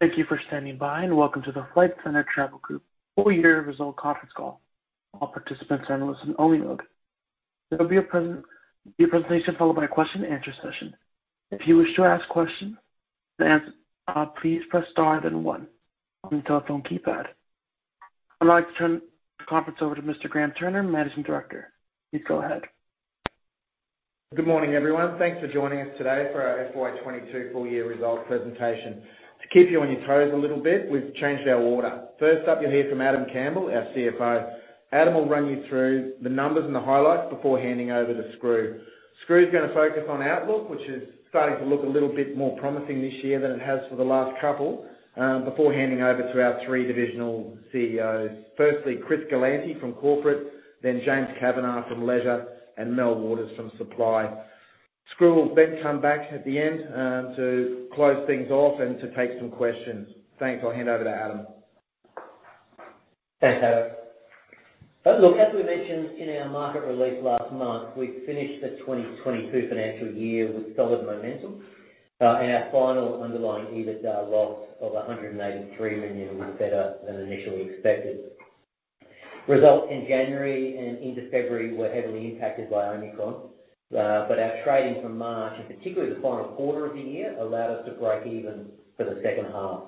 Thank you for standing by, and welcome to the Flight Centre Travel Group full year result conference call. All participants are in listen only mode. There will be a presentation followed by a Q&A session. If you wish to ask question, then please press Star then one on your telephone keypad. I'd like to turn the conference over to Mr. Graham Turner, Managing Director. Please go ahead. Good morning, everyone. Thanks for joining us today for our FY 22 full year results presentation. To keep you on your toes a little bit, we've changed our order. First up, you'll hear from Adam Campbell, our Chief Financial Officer. Adam will run you through the numbers and the highlights before handing over to Skroo. Skroo is gonna focus on outlook, which is starting to look a little bit more promising this year than it has for the last couple, before handing over to our three divisional Chief Executive Officers. Firstly, Chris Galanty from Corporate, then James Kavanagh from Leisure, and Melanie Waters-Ryan from Supply. Skroo will then come back at the end, to close things off and to take some questions. Thanks. I'll hand over to Adam. Thanks, Graham. Look, as we mentioned in our market release last month, we finished the 2022 financial year with solid momentum. Our final underlying EBITDA loss of 183 million was better than initially expected. Results in January and into February were heavily impacted by Omicron. Our trading from March and particularly the final quarter of the year allowed us to break even for the second half.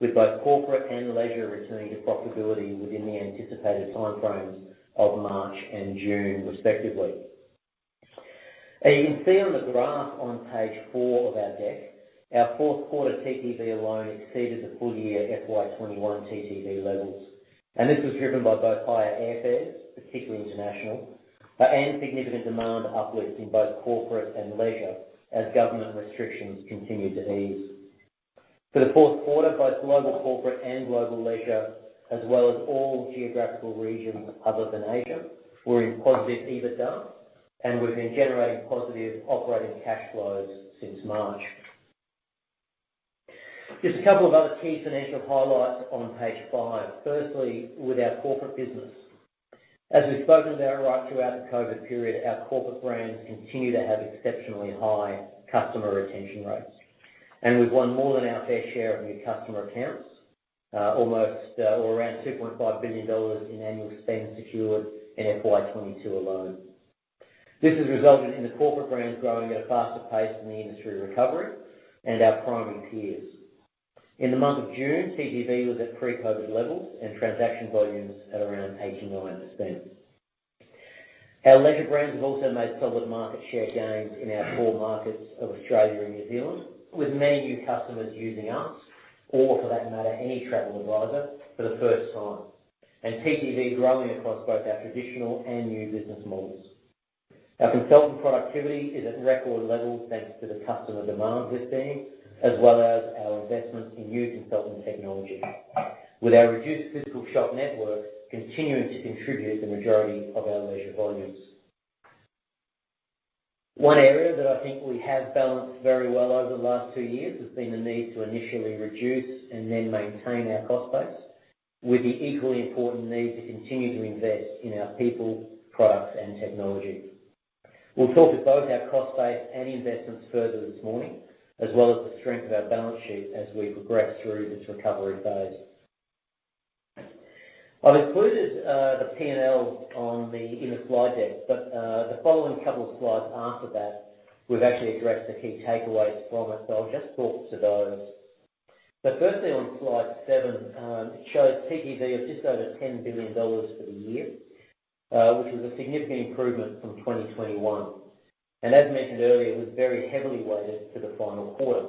With both corporate and leisure returning to profitability within the anticipated time frames of March and June, respectively. As you can see on the graph on page four of our deck, our Q4 TTV alone exceeded the full year FY 2021 TTV levels. This was driven by both higher airfares, particularly international, and significant demand uplifts in both corporate and leisure as government restrictions continued to ease. For the Q4, both global corporate and global leisure, as well as all geographical regions other than Asia, were in positive EBITDA, and we've been generating positive operating cash flows since March. Just a couple of other key financial highlights on page five. Firstly, with our corporate business. As we've spoken about right throughout the COVID period, our corporate brands continue to have exceptionally high customer retention rates. We've won more than our fair share of new customer accounts, almost or around 2.5 billion dollars in annual spend secured in FY 2022 alone. This has resulted in the corporate brands growing at a faster pace than the industry recovery and our primary peers. In the month of June, TTV was at pre-COVID levels and transaction volumes at around 89%. Our leisure brands have also made solid market share gains in our core markets of Australia and New Zealand, with many new customers using us, or for that matter, any travel advisor for the first time. TTV growing across both our traditional and new business models. Our consultant productivity is at record levels, thanks to the customer demand we're seeing, as well as our investments in new consultant technology. With our reduced physical shop network continuing to contribute the majority of our leisure volumes. One area that I think we have balanced very well over the last two years has been the need to initially reduce and then maintain our cost base with the equally important need to continue to invest in our people, products and technology. We'll talk to both our cost base and investments further this morning, as well as the strength of our balance sheet as we progress through this recovery phase. I've included the P&L in the slide deck, but the following couple of slides after that, we've actually addressed the key takeaways from it. I'll just talk to those. Firstly on slide seven, it shows TTV of just over 10 billion dollars for the year, which was a significant improvement from 2021. As mentioned earlier, it was very heavily weighted to the final quarter,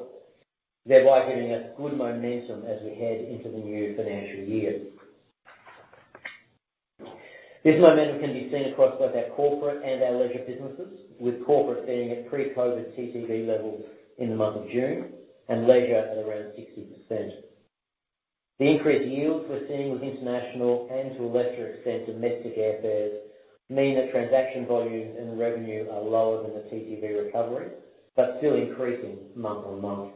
thereby giving us good momentum as we head into the new financial year. This momentum can be seen across both our corporate and our leisure businesses, with corporate sitting at pre-COVID TTV levels in the month of June and leisure at around 60%. The increased yields we're seeing with international and to a lesser extent, domestic airfares, mean that transaction volumes and revenue are lower than the TTV recovery, but still increasing month-on-month.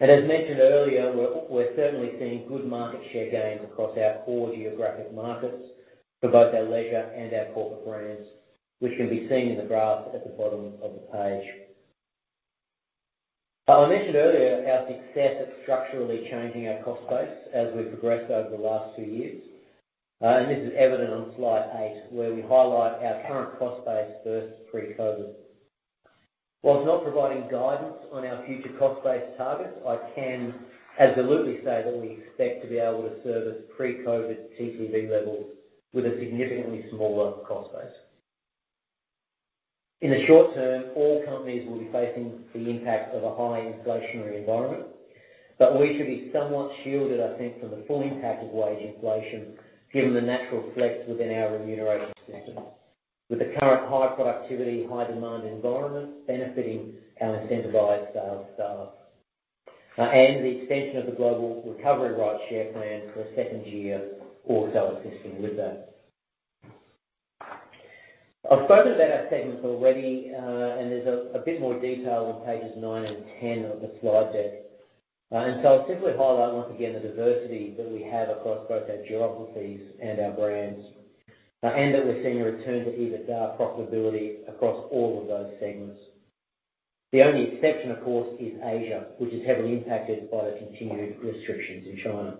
As mentioned earlier, we're certainly seeing good market share gains across our core geographic markets for both our leisure and our corporate brands, which can be seen in the graph at the bottom of the page. I mentioned earlier our success of structurally changing our cost base as we progressed over the last two years. This is evident on slide eight, where we highlight our current cost base versus pre-COVID. While it's not providing guidance on our future cost base targets, I can absolutely say that we expect to be able to service pre-COVID TTV levels with a significantly smaller cost base. In the short term, all companies will be facing the impact of a high inflationary environment, but we should be somewhat shielded, I think, from the full impact of wage inflation, given the natural flex within our remuneration systems. With the current high productivity, high demand environment benefiting our incentivized sales staff. The extension of the Global Recovery Rights Share Plan for a second year also assisting with that. I've spoken about our segments already, and there's a bit more detail on pages 9 and 10 of the slide deck. I'll simply highlight once again the diversity that we have across both our geographies and our brands. That we're seeing a return to EBITDA profitability across all of those segments. The only exception, of course, is Asia, which is heavily impacted by the continued restrictions in China.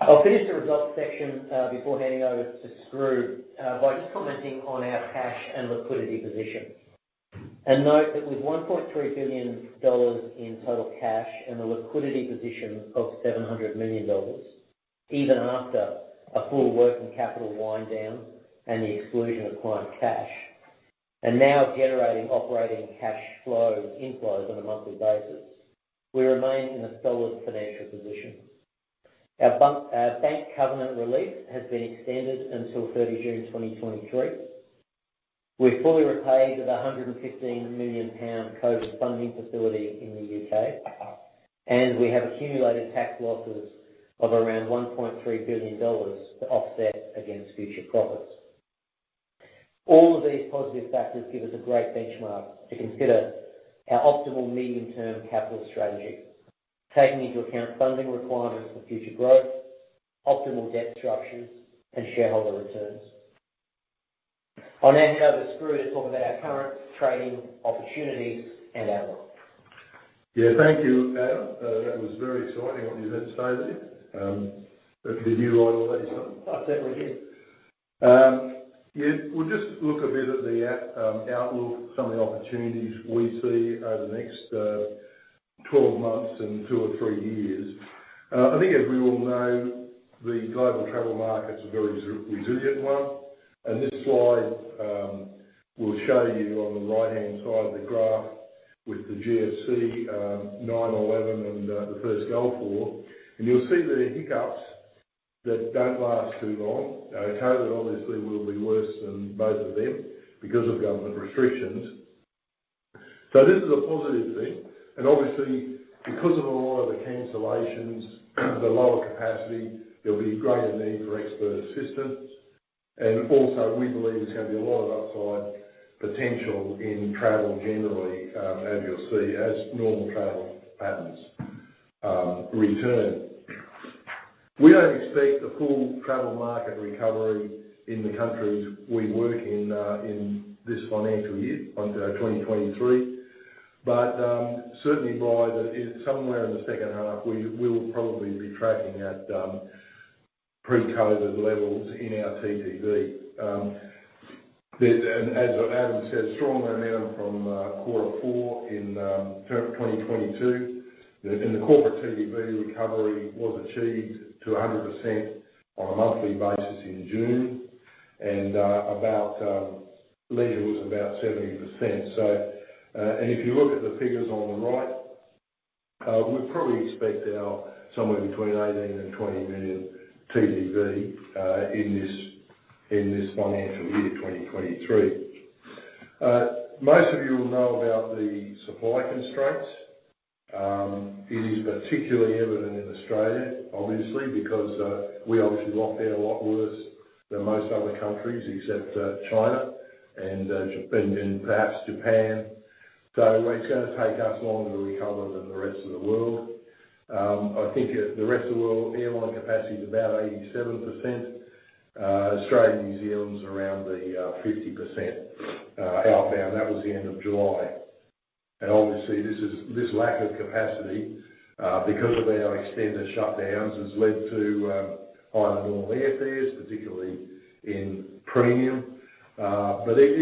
I'll finish the results section, before handing over to Graham Turner, by just commenting on our cash and liquidity position. Note that with 1.3 billion dollars in total cash and a liquidity position of 700 million dollars, even after a full working capital wind down and the exclusion of client cash. Now generating operating cash flows inflows on a monthly basis, we remain in a solid financial position. Our bank covenant relief has been extended until June 30, 2023. We've fully repaid the 115 million pound COVID funding facility in the U.K., and we have accumulated tax losses of around 1.3 billion dollars to offset against future profits. All of these positive factors give us a great benchmark to consider our optimal medium-term capital strategy, taking into account funding requirements for future growth, optimal debt structures, and shareholder returns. I'll now hand over to Graham Turner to talk about our current trading opportunities and outlook. Yeah, thank you, Adam. That was very exciting what you had to say there. Hope you didn't write all that yourself. I certainly did. We'll just look a bit at the outlook, some of the opportunities we see over the next 12 months and two or three years. I think as we all know, the global travel market's a very resilient one. This slide will show you on the right-hand side of the graph with the GFC, 9/11 and the first Gulf War. You'll see there are hiccups that don't last too long. Now, COVID obviously will be worse than both of them because of government restrictions. This is a positive thing, and obviously because of a lot of the cancellations, the lower capacity, there'll be greater need for expert assistance. We believe there's gonna be a lot of upside potential in travel generally, as you'll see, as normal travel patterns return. We don't expect the full travel market recovery in the countries we work in in this financial year until 2023. Certainly somewhere in the second half we will probably be tracking at pre-COVID levels in our TTV. As Adam said, strong momentum from quarter four in February 2022. The corporate TTV recovery was achieved to 100% on a monthly basis in June. Leisure was about 70%. If you look at the figures on the right, we probably expect ours somewhere between 18-20 million TTV in this financial year 2023. Most of you will know about the supply constraints. It is particularly evident in Australia obviously, because we obviously locked down a lot worse than most other countries except China and Japan and perhaps Japan. It's gonna take us longer to recover than the rest of the world. I think the rest of the world airline capacity is about 87%. Australia and New Zealand's around the 50%, outbound. That was the end of July. Obviously this lack of capacity because of our extended shutdowns has led to higher normal airfares, particularly in premium.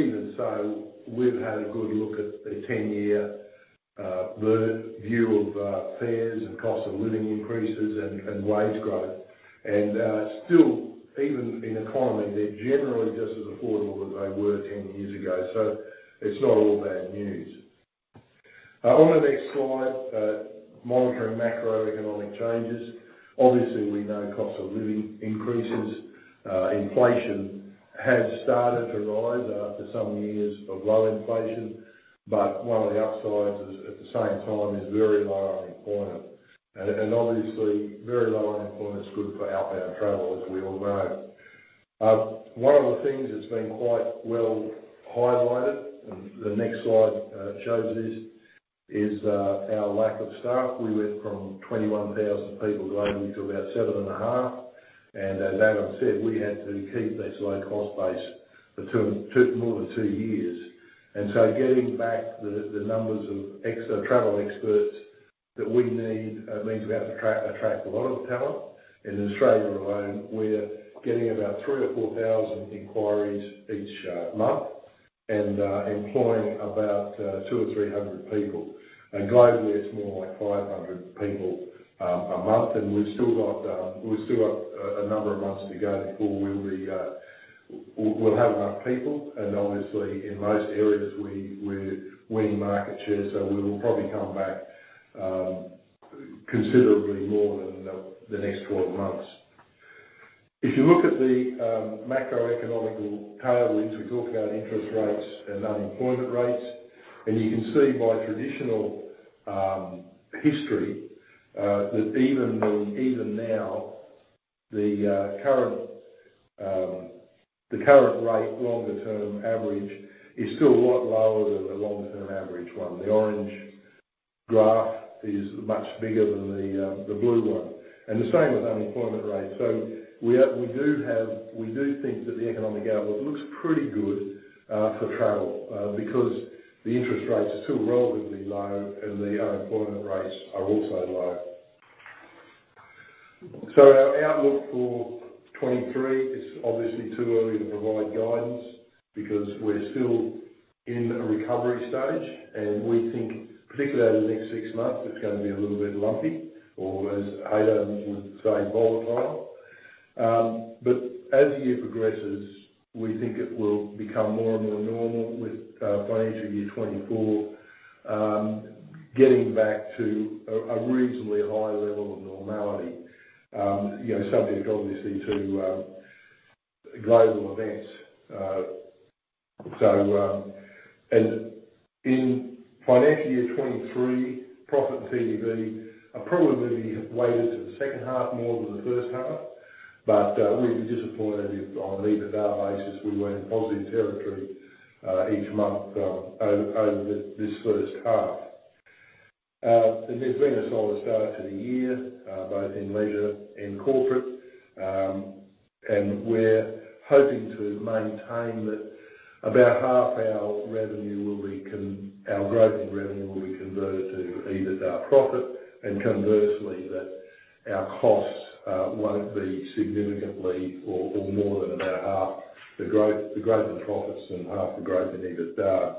Even so, we've had a good look at a 10-year view of fares and cost of living increases and wage growth. Still even in economy, they're generally just as affordable as they were 10 years ago. It's not all bad news. On the next slide, monitoring macroeconomic changes. Obviously we know cost of living increases. Inflation has started to rise after some years of low inflation, but one of the upsides is at the same time is very low unemployment. Obviously very low unemployment is good for outbound travel as we all know. One of the things that's been quite well highlighted, and the next slide shows this, is our lack of staff. We went from 21,000 people globally to about 7.5. As Adam said, we had to keep this low cost base for more than two years. Getting back the numbers of travel experts that we need means we have to attract a lot of talent. In Australia alone, we're getting about 3,000-4,000 inquiries each month and employing about 200-300 people. Globally it's more like 500 people a month. We've still got a number of months to go before we'll have enough people and obviously in most areas we're winning market share. We will probably come back considerably more in the next 12 months. If you look at the macroeconomic tailwinds, we talk about interest rates and unemployment rates. You can see by traditional history that even now the current rate longer-term average is still a lot lower than the longer-term average one. The orange graph is much bigger than the blue one, and the same with unemployment rates. We think that the economic outlook looks pretty good for travel because the interest rates are still relatively low and the unemployment rates are also low. Our outlook for 2023, it's obviously too early to provide guidance because we're still in a recovery stage, and we think particularly over the next six months, it's gonna be a little bit lumpy or, as Adam would say, volatile. But as the year progresses, we think it will become more and more normal with financial year 2024 getting back to a reasonably high level of normality, you know, subject obviously to global events. In financial year 2023, profit and TTV are probably weighted to the second half more than the first half. We'd be disappointed if on EBITDAR basis, we weren't in positive territory each month over this first half. There's been a solid start to the year both in leisure and corporate. We're hoping to maintain that about half our growth in revenue will be converted to EBITDAR profit, and conversely, that our costs won't be significantly or more than about half the growth in profits and half the growth in EBITDAR.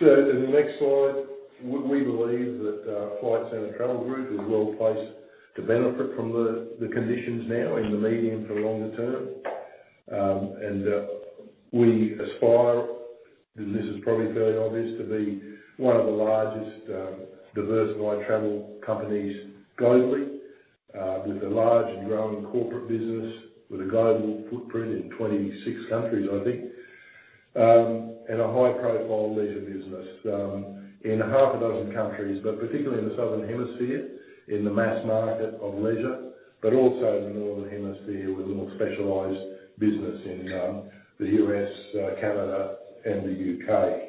In the next slide, we believe that Flight Centre Travel Group is well placed to benefit from the conditions now in the medium to longer term. We aspire, and this is probably fairly obvious, to be one of the largest diversified travel companies globally, with a large and growing corporate business, with a global footprint in 26 countries, I think. A high-profile leisure business in six countries, but particularly in the southern hemisphere, in the mass market of leisure, but also in the northern hemisphere with a more specialized business in the U.S., Canada and the U.K.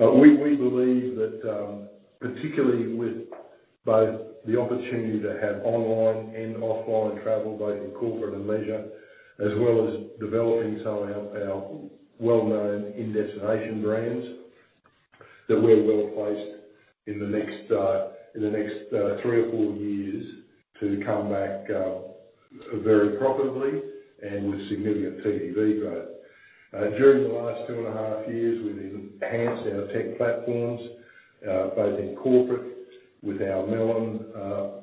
We believe that, particularly with both the opportunity to have online and offline travel, both in corporate and leisure, as well as developing some of our well-known in-destination brands, that we're well placed in the next three or four years to come back very profitably and with significant TTV growth. During the last two and a half years, we've enhanced our tech platforms, both in corporate with our Melon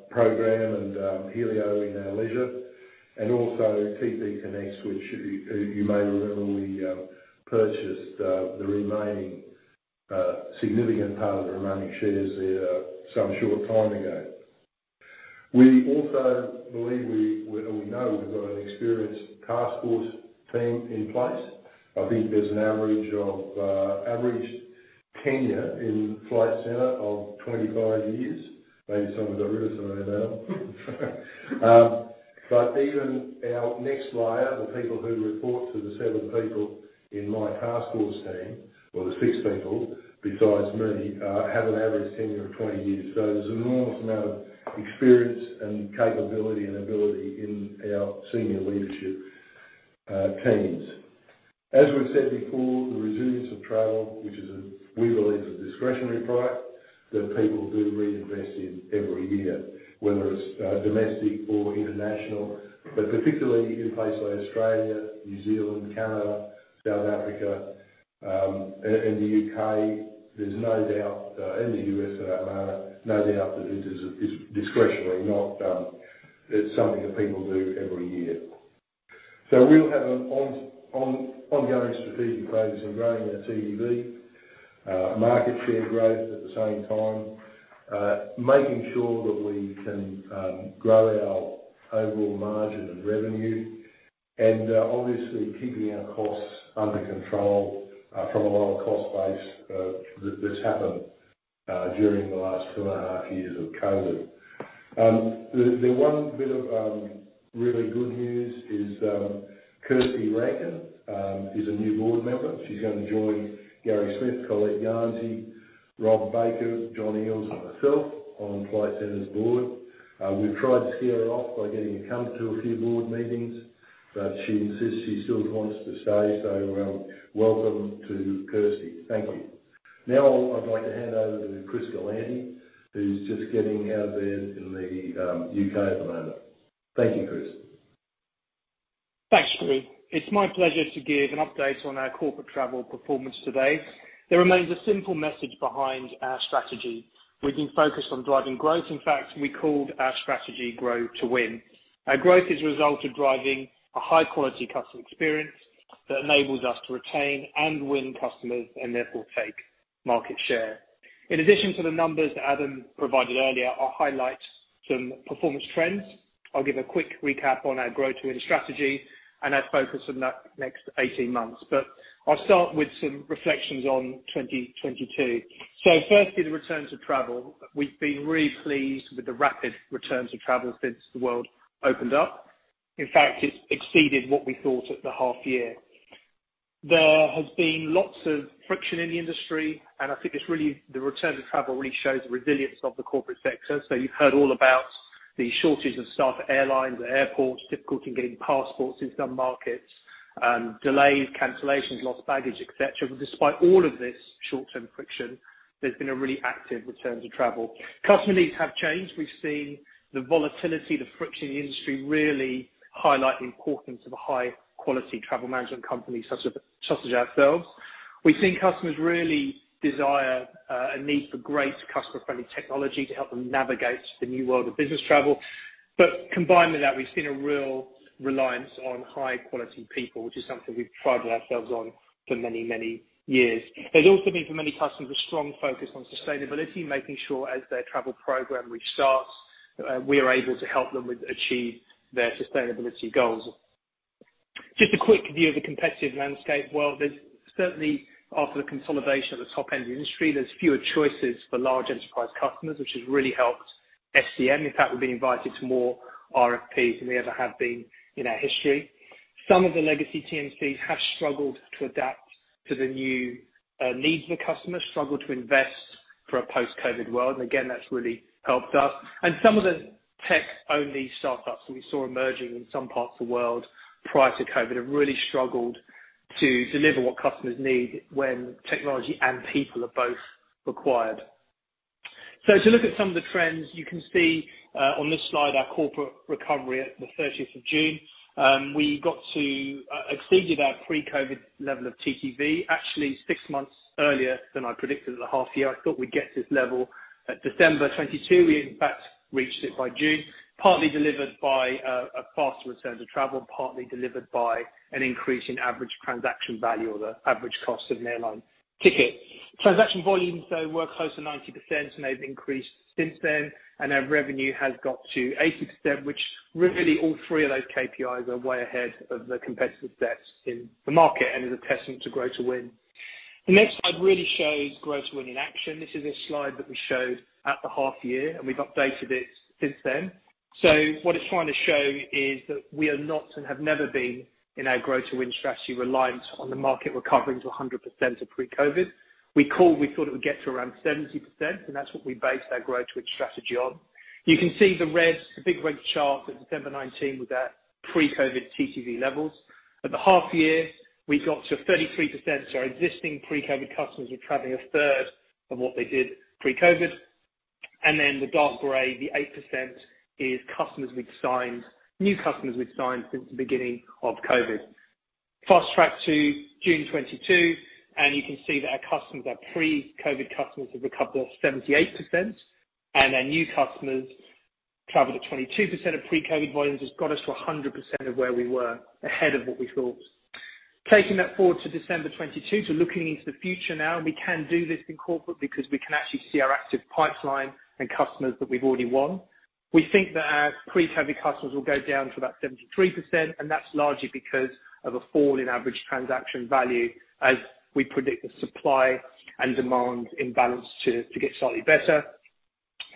program and Helio in our leisure, and also TPConnects, which you may remember we purchased the remaining significant part of the remaining shares there some short time ago. We also believe we know we've got an experienced task force team in place. I think there's an average tenure in Flight Centre of 25 years. Maybe someone got rid of some of that now. But even our next layer, the people who report to the seven people in my task force team, or the 6 people besides me, have an average tenure of 20 years. There's an enormous amount of experience and capability and ability in our senior leadership teams. As we've said before, the resilience of travel, which we believe is a discretionary product that people do reinvest in every year, whether it's domestic or international. Particularly in places like Australia, New Zealand, Canada, South Africa, and the U.K., there's no doubt and the U.S. at the moment no doubt that it is discretionary. It's something that people do every year. We'll have an ongoing strategic focus on growing our TTV market share growth at the same time, making sure that we can grow our overall margin and revenue and obviously keeping our costs under control from a lower cost base that's happened during the last two and a half years of COVID. The one bit of really good news is Kirsty Rankin is a new board member. She's gonna join Gary Smith, Colette Garnsey, Robert Baker, John Eales, and myself on Flight Centre's board. We've tried to steer her off by getting her to come to a few board meetings, but she insists she still wants to stay. Welcome to Kirsty. Thank you. Now I'd like to hand over to Chris Galanty who's just getting out of bed in the U.K. at the moment. Thank you, Chris. Thanks, Skroo. It's my pleasure to give an update on our corporate travel performance today. There remains a simple message behind our strategy, which is focused on driving growth. In fact, we called our strategy Grow to Win. Our growth is a result of driving a high-quality customer experience that enables us to retain and win customers, and therefore take market share. In addition to the numbers Adam provided earlier, I'll highlight some performance trends. I'll give a quick recap on our Grow to Win strategy and our focus on the next 18 months. But I'll start with some reflections on 2022. Firstly, the return to travel. We've been really pleased with the rapid returns of travel since the world opened up. In fact, it's exceeded what we thought at the half year. There has been lots of friction in the industry, and I think it's really the return to travel really shows the resilience of the corporate sector. You've heard all about the shortages of staff at airlines or airports, difficulty in getting passports in some markets, delays, cancellations, lost baggage, et cetera. Despite all of this short-term friction, there's been a really active return to travel. Customer needs have changed. We've seen the volatility, the friction in the industry really highlight the importance of a high-quality travel management company such as ourselves. We've seen customers really desire a need for great customer-friendly technology to help them navigate the new world of business travel. Combined with that, we've seen a real reliance on high-quality people, which is something we've prided ourselves on for many, many years. There's also been for many customers, a strong focus on sustainability, making sure as their travel program restarts, we are able to help them achieve their sustainability goals. Just a quick view of the competitive landscape. Well, there's certainly after the consolidation of the top end of the industry, there's fewer choices for large enterprise customers, which has really helped FCM. In fact, we've been invited to more RFPs than we ever have been in our history. Some of the legacy TMCs have struggled to adapt to the new, needs of the customer, struggled to invest for a post-COVID world, and again, that's really helped us. Some of the tech-only startups that we saw emerging in some parts of the world prior to COVID have really struggled to deliver what customers need when technology and people are both required. To look at some of the trends, you can see on this slide, our corporate recovery at the June 30th. We exceeded our pre-COVID level of TTV, actually six months earlier than I predicted at the half year. I thought we'd get to this level at December 2022. We, in fact, reached it by June, partly delivered by a faster return to travel, partly delivered by an increase in average transaction value or the average cost of an airline ticket. Transaction volumes, though, were close to 90% and they've increased since then. Our revenue has got to 80%, which really all three of those KPIs are way ahead of the competitive sets in the market and is a testament to Grow to Win. The next slide really shows Grow to Win in action. This is a slide that we showed at the half year, and we've updated it since then. What it's trying to show is that we are not and have never been in our Grow to Win strategy reliant on the market recovering to 100% of pre-COVID. We called, we thought it would get to around 70%, and that's what we based our Grow to Win strategy on. You can see the big red chart at December 2019 was at pre-COVID TTV levels. At the half year, we got to 33%, so our existing pre-COVID customers were traveling a third of what they did pre-COVID. Then the dark gray, the 8% is customers we've signed, new customers we've signed since the beginning of COVID. Fast track to June 2022, and you can see that our customers, our pre-COVID customers have recovered 78%, and our new customers traveled at 22% of pre-COVID volumes has got us to 100% of where we were ahead of what we thought. Taking that forward to December 2022 to looking into the future now, and we can do this in corporate because we can actually see our active pipeline and customers that we've already won. We think that our pre-COVID customers will go down to about 73%, and that's largely because of a fall in average transaction value as we predict the supply and demand imbalance to get slightly better.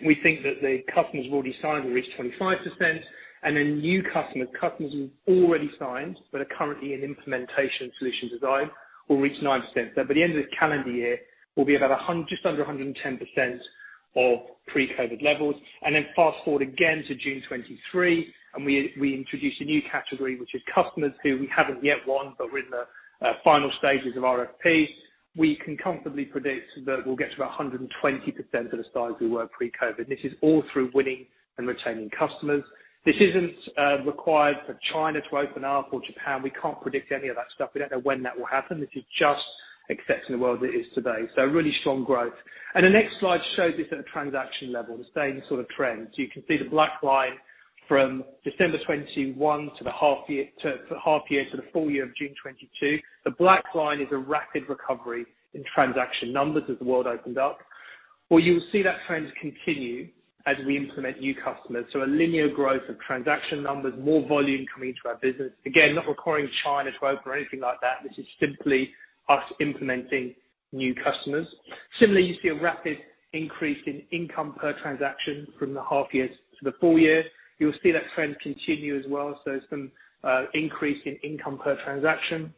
We think that the customers we've already signed will reach 25%, and then new customers we've already signed, but are currently in implementation solution design, will reach 9%. By the end of this calendar year, we'll be about just under 110% of pre-COVID levels. Then fast-forward again to June 2023, and we introduced a new category, which is customers who we haven't yet won, but we're in the final stages of RFPs. We can comfortably predict that we'll get to about 120% of the size we were pre-COVID. This is all through winning and retaining customers. This isn't required for China to open up or Japan. We can't predict any of that stuff. We don't know when that will happen. This is just accepting the world as it is today. Really strong growth. The next slide shows this at a transaction level, the same sort of trends. You can see the black line from December 2021 to the half year to the full year of June 2022. The black line is a rapid recovery in transaction numbers as the world opened up. Well, you will see that trend continue as we implement new customers. A linear growth of transaction numbers, more volume coming to our business. Again, not requiring China to open or anything like that. This is simply us implementing new customers. Similarly, you see a rapid increase in income per transaction from the half year to the full year. You'll see that trend continue as well. Some increase in income per transaction,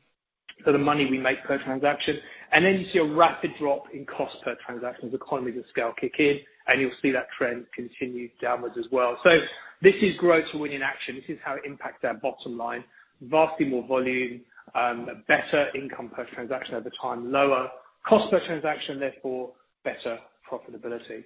so the money we make per transaction. Then you see a rapid drop in cost per transaction as economies of scale kick in, and you'll see that trend continue downwards as well. This is Grow to Win in action. This is how it impacts our bottom line. Vastly more volume, better income per transaction over time, lower cost per transaction, therefore better profitability.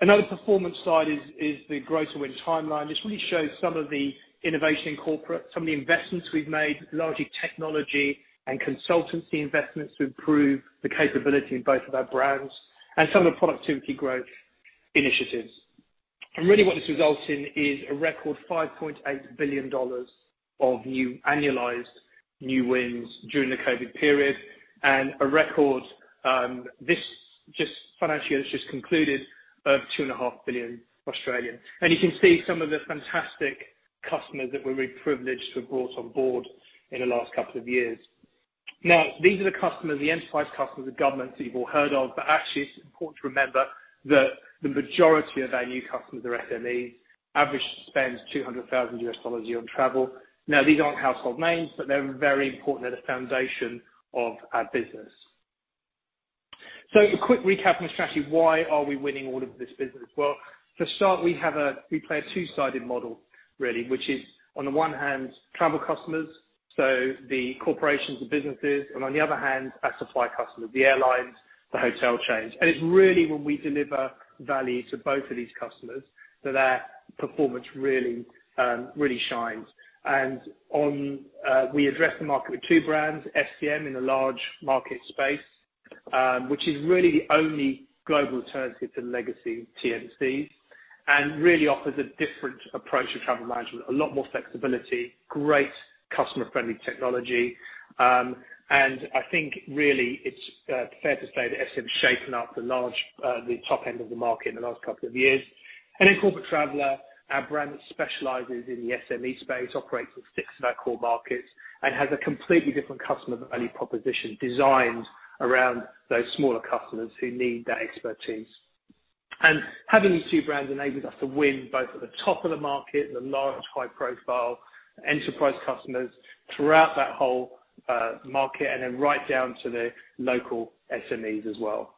Another performance slide is the Grow to Win timeline. This really shows some of the innovation in corporate, some of the investments we've made, largely technology and consultancy investments to improve the capability in both of our brands and some of the productivity growth initiatives. Really what this results in is a record 5.8 billion dollars of new annualized new wins during the COVID period and a record financial year that's just concluded of 2.5 billion Australian. You can see some of the fantastic customers that we're really privileged to have brought on board in the last couple of years. Now, these are the customers, the enterprise customers, the governments that you've all heard of. Actually, it's important to remember that the majority of our new customers are SMEs. Average spend is $200,000 a year on travel. Now, these aren't household names, but they're very important. They're the foundation of our business. A quick recap on the strategy. Why are we winning all of this business? Well, to start, we play a two-sided model really, which is on the one hand, travel customers, so the corporations, the businesses, and on the other hand, our supply customers, the airlines, the hotel chains. It's really when we deliver value to both of these customers that our performance really shines. We address the market with two brands, FCM in the large market space, which is really the only global alternative to legacy TMCs and really offers a different approach to travel management. A lot more flexibility, great customer-friendly technology, and I think really it's fair to say that FCM has shaken up the large top end of the market in the last couple of years. Corporate Traveller, our brand that specializes in the SME space, operates in six of our core markets and has a completely different customer value proposition designed around those smaller customers who need that expertise. Having these two brands enables us to win both at the top of the market, the large high-profile enterprise customers throughout that whole market and then right down to the local SMEs as well.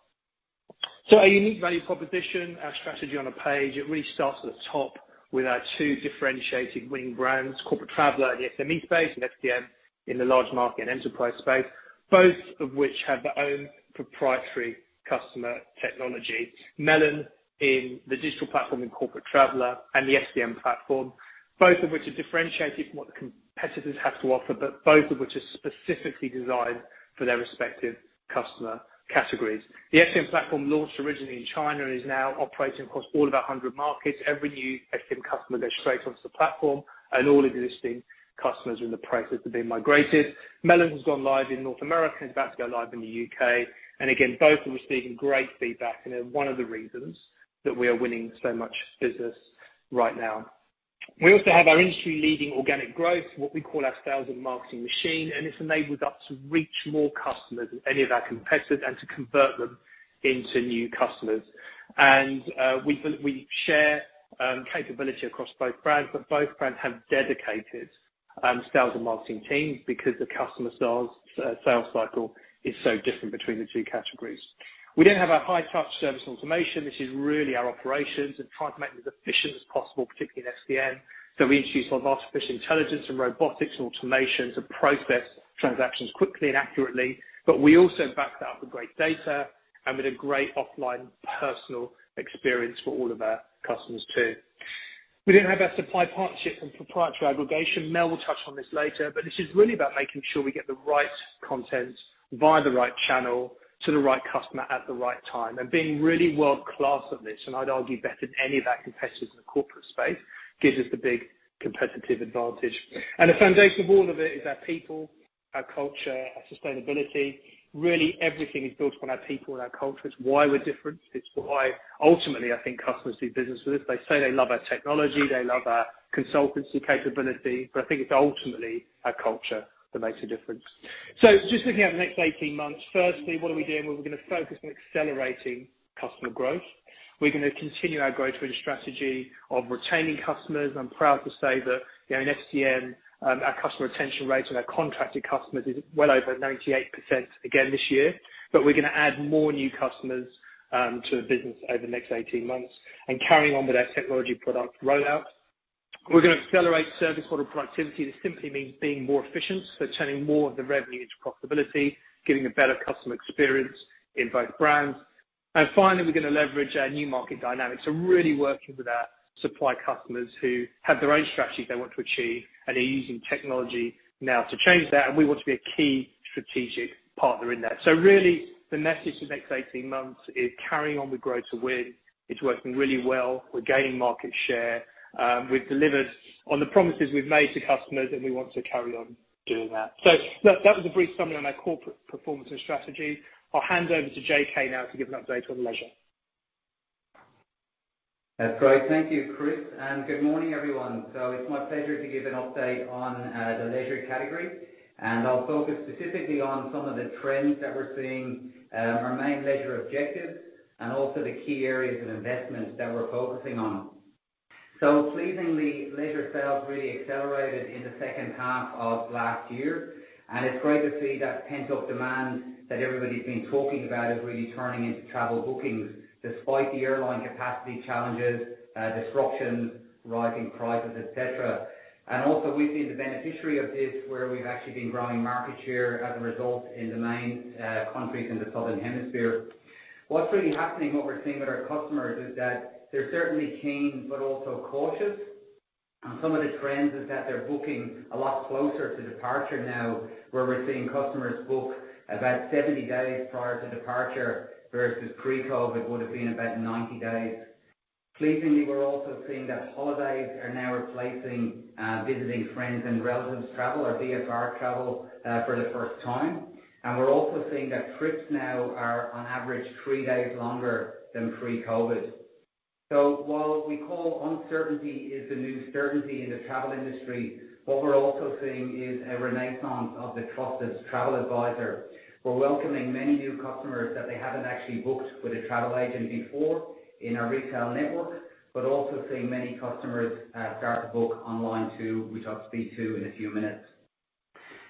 Our unique value proposition, our strategy on a page, it really starts at the top with our two differentiating winning brands, Corporate Traveller in the SME space and FCM in the large market and enterprise space, both of which have their own proprietary customer technology. Melon in the digital platform in Corporate Traveller and the FCM Platform, both of which are differentiated from what the competitors have to offer, but both of which are specifically designed for their respective customer categories. The FCM Platform launched originally in China and is now operating across all of our 100 markets. Every new SME customer goes straight onto the platform, and all existing customers are in the process of being migrated. Melon has gone live in North America, and is about to go live in the U.K. Again, both of which are receiving great feedback and are one of the reasons that we are winning so much business right now. We also have our industry-leading organic growth, what we call our sales and marketing machine, and it's enabled us to reach more customers than any of our competitors and to convert them into new customers. We share capability across both brands, but both brands have dedicated sales and marketing teams because the customer sales cycle is so different between the two categories. We then have our high-touch service automation. This is really our operations and trying to make them as efficient as possible, particularly in SME. We introduce a lot of artificial intelligence from robotics and automations and process transactions quickly and accurately. We also back that up with great data and with a great offline personal experience for all of our customers too. We then have our supply partnerships and proprietary aggregation. Mel will touch on this later, but this is really about making sure we get the right content via the right channel to the right customer at the right time. Being really world-class at this, and I'd argue better than any of our competitors in the corporate space, gives us the big competitive advantage. The foundation of all of it is our people, our culture, our sustainability. Really everything is built on our people and our culture. It's why we're different. It's why ultimately I think customers do business with us. They say they love our technology, they love our consultancy capability, but I think it's ultimately our culture that makes a difference. Just looking at the next 18 months. Firstly, what are we doing? Well, we're gonna focus on accelerating customer growth. We're gonna continue our growth with a strategy of retaining customers. I'm proud to say that, you know, in SME, our customer retention rate on our contracted customers is well over 98% again this year. We're gonna add more new customers to the business over the next 18 months and carrying on with our technology product rollout. We're gonna accelerate service model productivity. This simply means being more efficient, so turning more of the revenue into profitability, giving a better customer experience in both brands. Finally, we're gonna leverage our new market dynamics. We're really working with our supply customers who have their own strategies they want to achieve, and they're using technology now to change that, and we want to be a key strategic partner in that. Really the message for the next 18 months is carrying on with Grow to Win. It's working really well. We're gaining market share. We've delivered on the promises we've made to customers, and we want to carry on doing that. That was a brief summary on our corporate performance and strategy. I'll hand over to J.K. now to give an update on Leisure. That's great. Thank you, Chris, and good morning, everyone. It's my pleasure to give an update on the leisure category, and I'll focus specifically on some of the trends that we're seeing our main leisure objectives, and also the key areas of investments that we're focusing on. Pleasingly, leisure sales really accelerated in the second half of last year, and it's great to see that pent-up demand that everybody's been talking about is really turning into travel bookings despite the airline capacity challenges, disruptions, rising prices, et cetera. We've been the beneficiary of this, where we've actually been growing market share as a result in the main countries in the Southern Hemisphere. What's really happening, what we're seeing with our customers is that they're certainly keen but also cautious. Some of the trends is that they're booking a lot closer to departure now, where we're seeing customers book about 70 days prior to departure versus pre-COVID would have been about 90 days. Pleasingly, we're also seeing that holidays are now replacing visiting friends and relatives travel or VFR travel for the first time. We're also seeing that trips now are on average three days longer than pre-COVID. While we call uncertainty is the new certainty in the travel industry, what we're also seeing is a renaissance of the trusted travel advisor. We're welcoming many new customers that they haven't actually booked with a travel agent before in our retail network, but also seeing many customers start to book online too, which I'll speak to in a few minutes.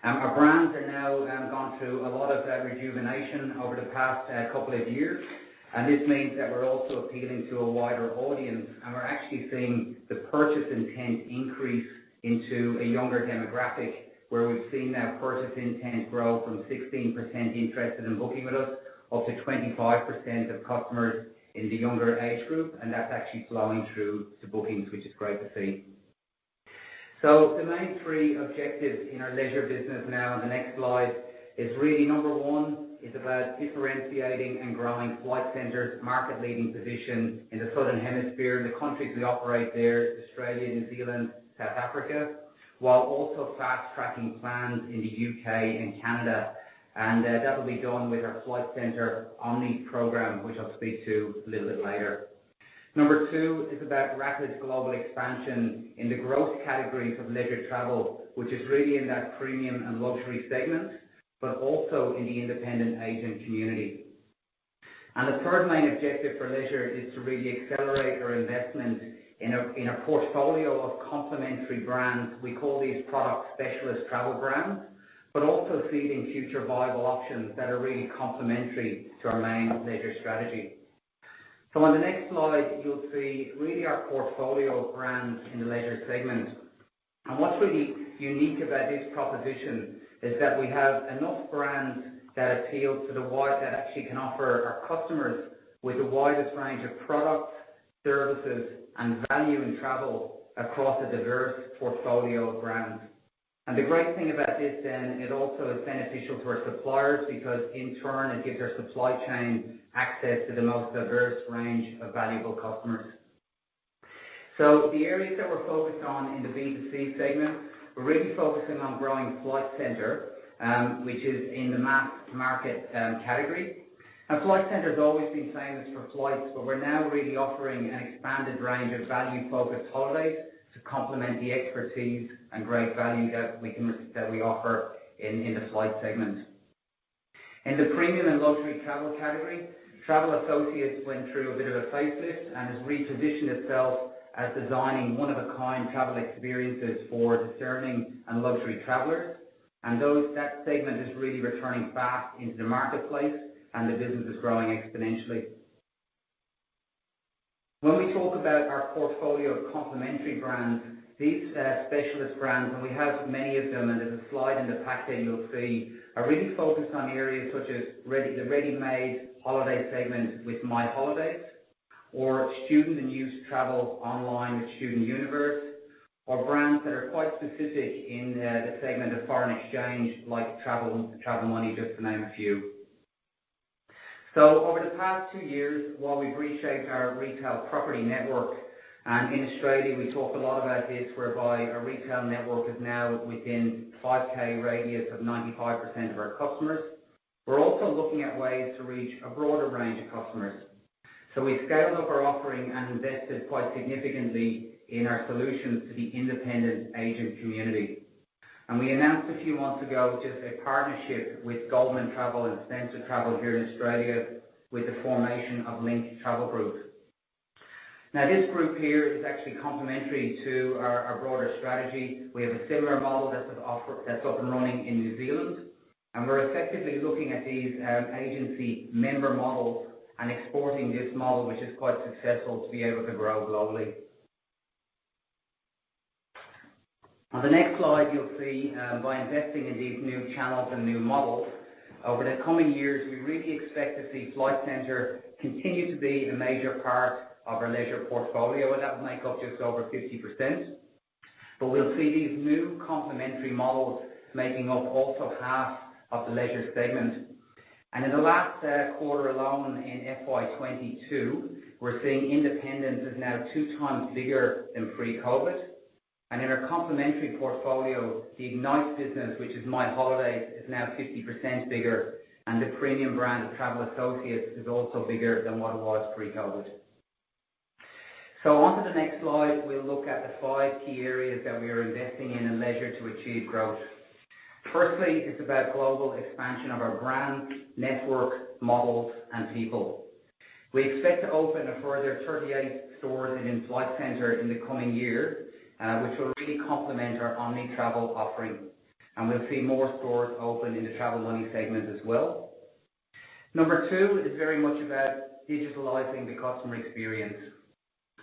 Our brands are now gone through a lot of that rejuvenation over the past couple of years. This means that we're also appealing to a wider audience, and we're actually seeing the purchase intent increase into a younger demographic. Where we've seen that purchase intent grow from 16% interested in booking with us, up to 25% of customers in the younger age group. That's actually flowing through to bookings, which is great to see. The main three objectives in our leisure business now in the next slide is really, number one, is about differentiating and growing Flight Centre's market-leading position in the Southern Hemisphere. In the countries we operate there, Australia, New Zealand, South Africa, while also fast-tracking plans in the U.K. and Canada. That will be done with our Flight Centre Omni program, which I'll speak to a little bit later. Number two is about rapid global expansion in the growth categories of leisure travel, which is really in that premium and luxury segment, but also in the independent agent community. The third main objective for leisure is to really accelerate our investment in a portfolio of complementary brands. We call these products specialist travel brands, but also seeding future viable options that are really complementary to our main leisure strategy. On the next slide, you'll see really our portfolio of brands in the leisure segment. What's really unique about this proposition is that we have enough brands that actually can offer our customers with the widest range of products, services, and value in travel across a diverse portfolio of brands. The great thing about this then, it also is beneficial for suppliers because in turn, it gives our supply chain access to the most diverse range of valuable customers. The areas that we're focused on in the B2C segment, we're really focusing on growing Flight Centre, which is in the mass-market category. Now, Flight Centre's always been famous for flights, but we're now really offering an expanded range of value-focused holidays to complement the expertise and great value that we offer in the flight segment. In the premium and luxury travel category, Travel Associates went through a bit of a facelift and has repositioned itself as designing one-of-a-kind travel experiences for discerning and luxury travelers. That segment is really returning fast into the marketplace, and the business is growing exponentially. When we talk about our portfolio of complementary brands, these specialist brands, and we have many of them, and there's a slide in the pack that you'll see, are really focused on areas such as the ready-made holiday segment with MyHolidays or student and youth travel online with StudentUniverse. Or brands that are quite specific in the segment of foreign exchange, like Travel Money, just to name a few. Over the past two years, while we've reshaped our retail property network, and in Australia, we talked a lot about this, whereby our retail network is now within 5 km radius of 95% of our customers. We're also looking at ways to reach a broader range of customers. We scaled up our offering and invested quite significantly in our solutions to the independent agent community. We announced a few months ago, just a partnership with Goldman Travel and Spencer Travel here in Australia with the formation of Link Travel Group. Now, this group here is actually complementary to our broader strategy. We have a similar model that's up and running in New Zealand, and we're effectively looking at these agency member models and exporting this model, which is quite successful, to be able to grow globally. On the next slide, you'll see, by investing in these new channels and new models, over the coming years, we really expect to see Flight Centre continue to be a major part of our leisure portfolio. That will make up just over 50%. We'll see these new complementary models making up also half of the leisure segment. In the last quarter alone in FY 2022, we're seeing independent is now 2x bigger than pre-COVID. In our complementary portfolio, the Ignite business, which is MyHolidays, is now 50% bigger, and the premium brand of Travel Associates is also bigger than what it was pre-COVID. Onto the next slide, we'll look at the five key areas that we are investing in leisure to achieve growth. Firstly, it's about global expansion of our brands, network, models, and people. We expect to open a further 38 stores in Flight Centre in the coming year, which will really complement our omni-channel offering. We'll see more stores open in the Travel Money segment as well. Number two is very much about digitizing the customer experience.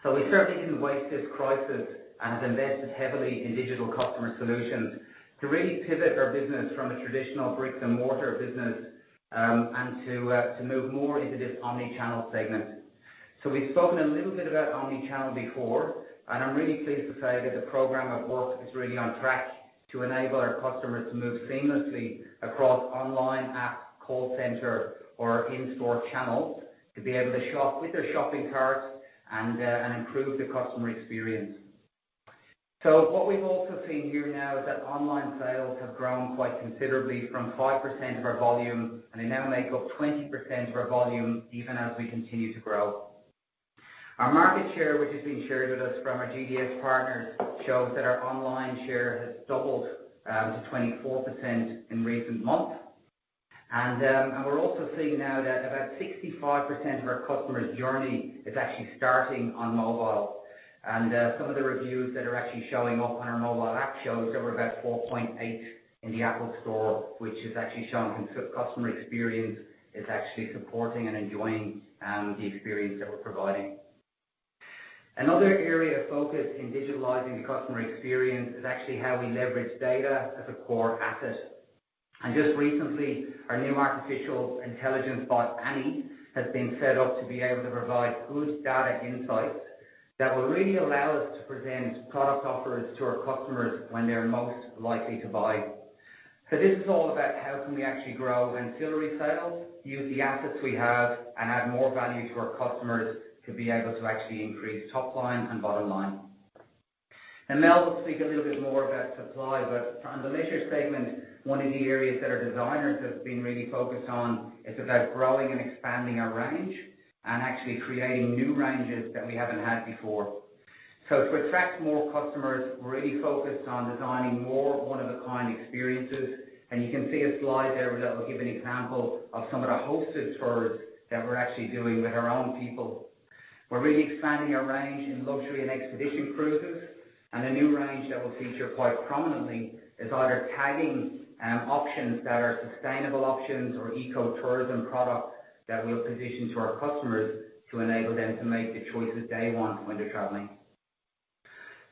We certainly didn't waste this crisis and have invested heavily in digital customer solutions to really pivot our business from a traditional bricks and mortar business, and to move more into this omni-channel segment. We've spoken a little bit about omni-channel before, and I'm really pleased to say that the program of work is really on track to enable our customers to move seamlessly across online, app, call center or in-store channels to be able to shop with their shopping cart and improve the customer experience. What we've also seen here now is that online sales have grown quite considerably from 5% of our volume, and they now make up 20% of our volume even as we continue to grow. Our market share, which has been shared with us from our GDS partners, shows that our online share has doubled to 24% in recent months. We're also seeing now that about 65% of our customers' journey is actually starting on mobile. Some of the reviews that are actually showing up on our mobile app shows that we're about 4.8 in the App Store, which has actually shown customer experience is actually supporting and enjoying the experience that we're providing. Another area of focus in digitalizing the customer experience is actually how we leverage data as a core asset. Just recently, our new artificial intelligence bot, Annie, has been set up to be able to provide good data insights that will really allow us to present product offers to our customers when they're most likely to buy. This is all about how can we actually grow ancillary sales, use the assets we have, and add more value to our customers to be able to actually increase top line and bottom line. Mel will speak a little bit more about supply, but on the leisure segment, one of the areas that our designers have been really focused on is about growing and expanding our range and actually creating new ranges that we haven't had before. To attract more customers, we're really focused on designing more one-of-a-kind experiences, and you can see a slide there that will give an example of some of the hosted tours that we're actually doing with our own people. We're really expanding our range in luxury and expedition cruises, and a new range that we'll feature quite prominently is either tagging options that are sustainable options or ecotourism products that we'll position to our customers to enable them to make the choices they want when they're traveling.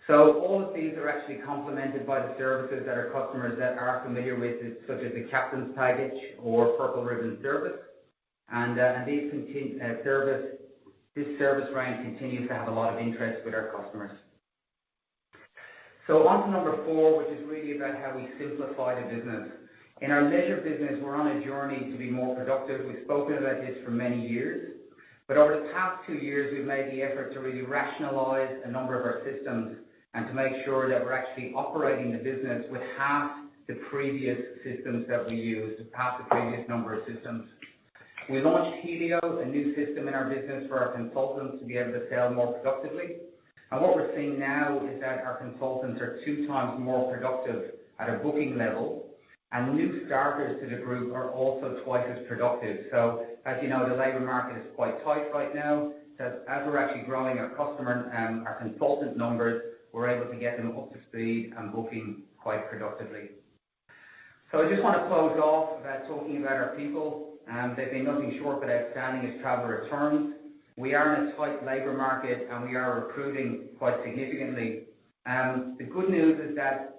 All of these are actually complemented by the services that our customers are familiar with, such as the Captain's Package or Purple Ribbon Service. This service range continues to have a lot of interest with our customers. On to number four, which is really about how we simplify the business. In our leisure business, we're on a journey to be more productive. We've spoken about this for many years. Over the past two years, we've made the effort to really rationalize a number of our systems and to make sure that we're actually operating the business with half the previous systems that we used, half the previous number of systems. We launched Helio, a new system in our business for our consultants to be able to sell more productively. What we're seeing now is that our consultants are 2x more productive at a booking level, and new starters to the group are also twice as productive. As you know, the labor market is quite tight right now. As we're actually growing our customer and our consultant numbers, we're able to get them up to speed and booking quite productively. I just wanna close off about talking about our people. They've been nothing short but outstanding as travel returns. We are in a tight labor market, and we are recruiting quite significantly. The good news is that,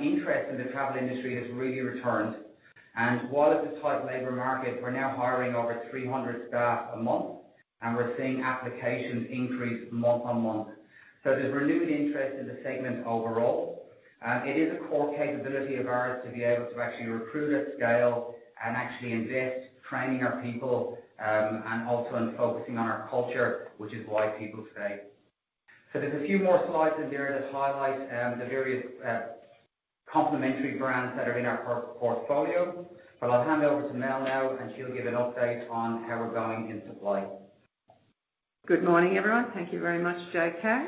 interest in the travel industry has really returned. While it's a tight labor market, we're now hiring over 300 staff a month, and we're seeing applications increase month-on-month. There's renewed interest in the segment overall. It is a core capability of ours to be able to actually recruit at scale and actually invest, training our people, and also in focusing on our culture, which is why people stay. There's a few more slides in there that highlight the various complementary brands that are in our portfolio. I'll hand over to Mel now, and she'll give an update on how we're going in supply. Good morning, everyone. Thank you very much, J.K.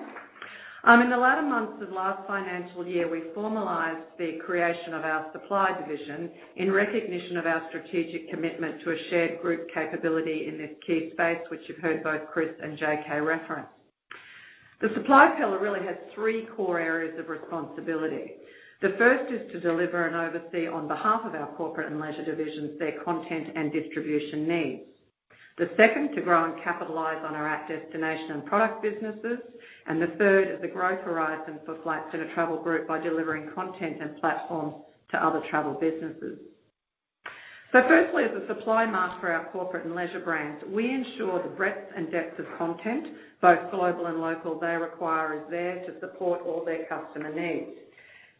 In the latter months of last financial year, we formalized the creation of our supply division in recognition of our strategic commitment to a shared group capability in this key space, which you've heard both Chris and J.K. reference. The supply pillar really has three core areas of responsibility. The first is to deliver and oversee on behalf of our corporate and leisure divisions, their content and distribution needs. The second, to grow and capitalize on our active destination and product businesses. The third is the growth horizon for Flight Centre Travel Group by delivering content and platforms to other travel businesses. Firstly, as a supply mart for our corporate and leisure brands, we ensure the breadth and depth of content, both global and local, they require is there to support all their customer needs.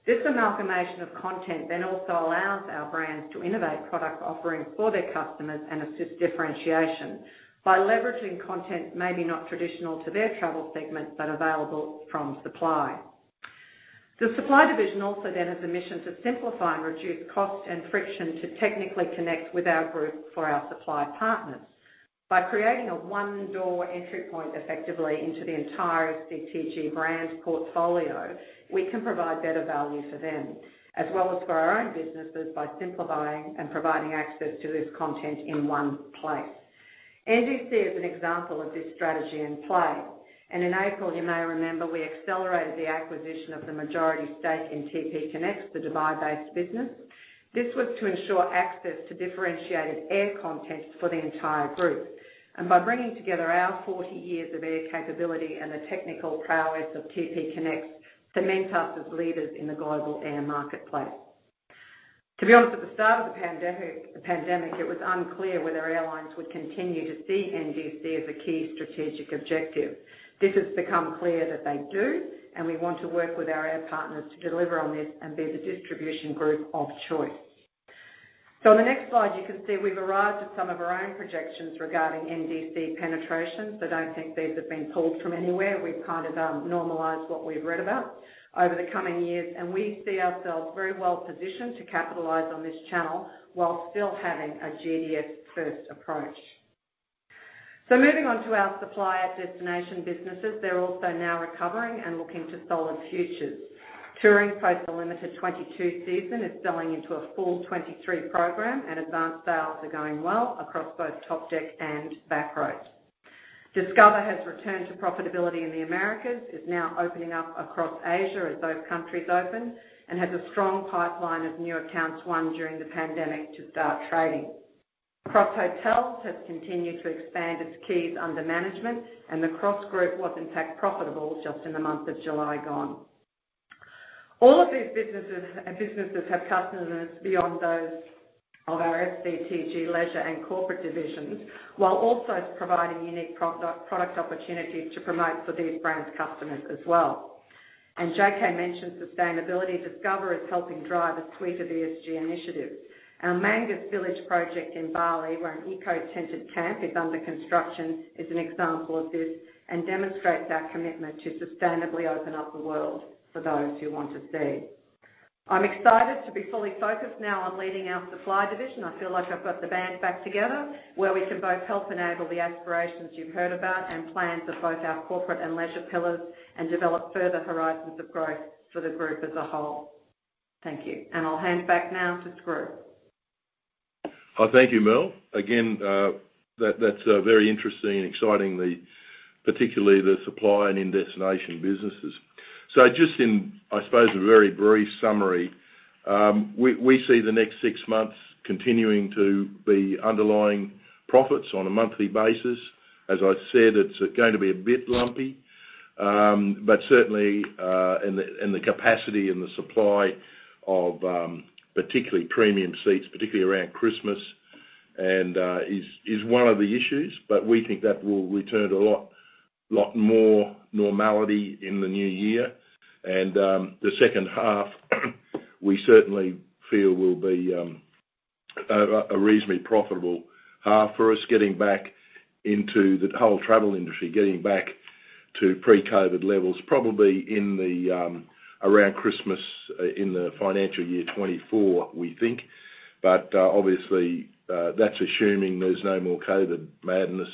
This amalgamation of content then also allows our brands to innovate product offerings for their customers and assist differentiation by leveraging content maybe not traditional to their travel segment, but available from supply. The supply division also then has a mission to simplify and reduce cost and friction to technically connect with our group for our supply partners. By creating a one-door entry point effectively into the entire FCTG brand portfolio, we can provide better value for them, as well as for our own businesses by simplifying and providing access to this content in one place. NDC is an example of this strategy in play, and in April, you may remember we accelerated the acquisition of the majority stake in TPConnects, the Dubai-based business. This was to ensure access to differentiated air content for the entire group. By bringing together our 40 years of air capability and the technical prowess of TPConnects cements us as leaders in the global air marketplace. To be honest, at the start of the pandemic, it was unclear whether airlines would continue to see NDC as a key strategic objective. This has become clear that they do, and we want to work with our air partners to deliver on this and be the distribution group of choice. On the next slide, you can see we've arrived at some of our own projections regarding NDC penetration. Don't think these have been pulled from anywhere. We've kind of normalized what we've read about over the coming years, and we see ourselves very well positioned to capitalize on this channel while still having a GDS-first approach. Moving on to our supplier destination businesses. They're also now recovering and looking to solid futures. Touring posted a limited 2022 season. It's selling into a full 2023 program, and advance sales are going well across both Topdeck and Back-Roads. Discover has returned to profitability in the Americas, is now opening up across Asia as those countries open and has a strong pipeline of new accounts won during the pandemic to start trading. Cross Hotels & Resorts has continued to expand its keys under management, and the Cross Group was in fact profitable just in the month of July gone. All of these businesses have customers beyond those of our FCTG leisure and corporate divisions, while also providing unique product opportunities to promote for these brands' customers as well. J.K. mentioned sustainability. Discover is helping drive a suite of ESG initiatives. Our Munggu Village project in Bali, where an eco-tented camp is under construction, is an example of this and demonstrates our commitment to sustainably open up the world for those who want to see. I'm excited to be fully focused now on leading our supply division. I feel like I've got the band back together, where we can both help enable the aspirations you've heard about and plans of both our corporate and leisure pillars and develop further horizons of growth for the group as a whole. Thank you. I'll hand back now to Graham Turner. Oh, thank you, Mel. Again, that's very interesting and exciting, particularly the supply and in-destination businesses. Just in, I suppose, a very brief summary, we see the next six months continuing to be underlying profits on a monthly basis. As I said, it's going to be a bit lumpy. But certainly, in the capacity and the supply of, particularly premium seats, particularly around Christmas, is one of the issues. But we think that will return to a lot more normality in the new year. The second half we certainly feel will be a reasonably profitable half for us getting back into the whole travel industry, getting back to pre-COVID levels, probably in around Christmas in the financial year 2024, we think. Obviously, that's assuming there's no more COVID madness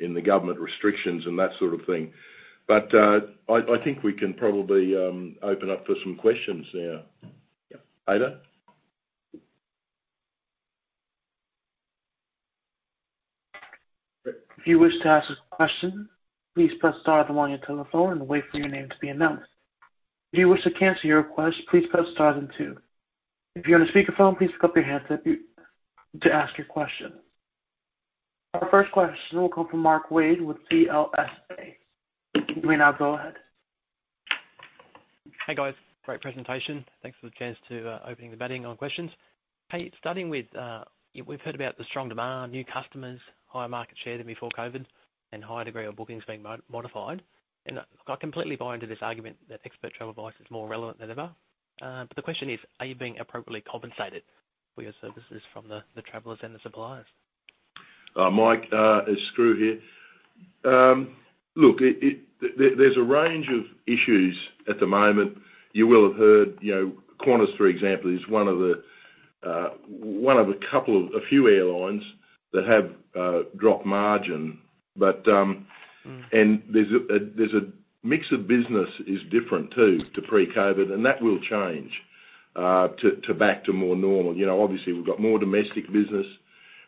in the government restrictions and that sort of thing. I think we can probably open up for some questions now. Yeah. Ada? If you wish to ask a question, please press star then one on your telephone and wait for your name to be announced. If you wish to cancel your request, please press star then two. If you're on a speakerphone, please pick up your handset to ask your question. Our first question will come from Mark Wade with CLSA. You may now go ahead. Hey, guys. Great presentation. Thanks for the chance to open the batting on questions. Hey, starting with, we've heard about the strong demand, new customers, higher market share than before COVID, and high degree of bookings being modified. I completely buy into this argument that expert travel advice is more relevant than ever. The question is, are you being appropriately compensated for your services from the travelers and the suppliers? Mike, it's Graham Turner here. Look, there's a range of issues at the moment. You will have heard, you know, Qantas, for example, is one of a few airlines that have dropped margin. There's a mix of business is different too to pre-COVID, and that will change to back to more normal. You know, obviously, we've got more domestic business.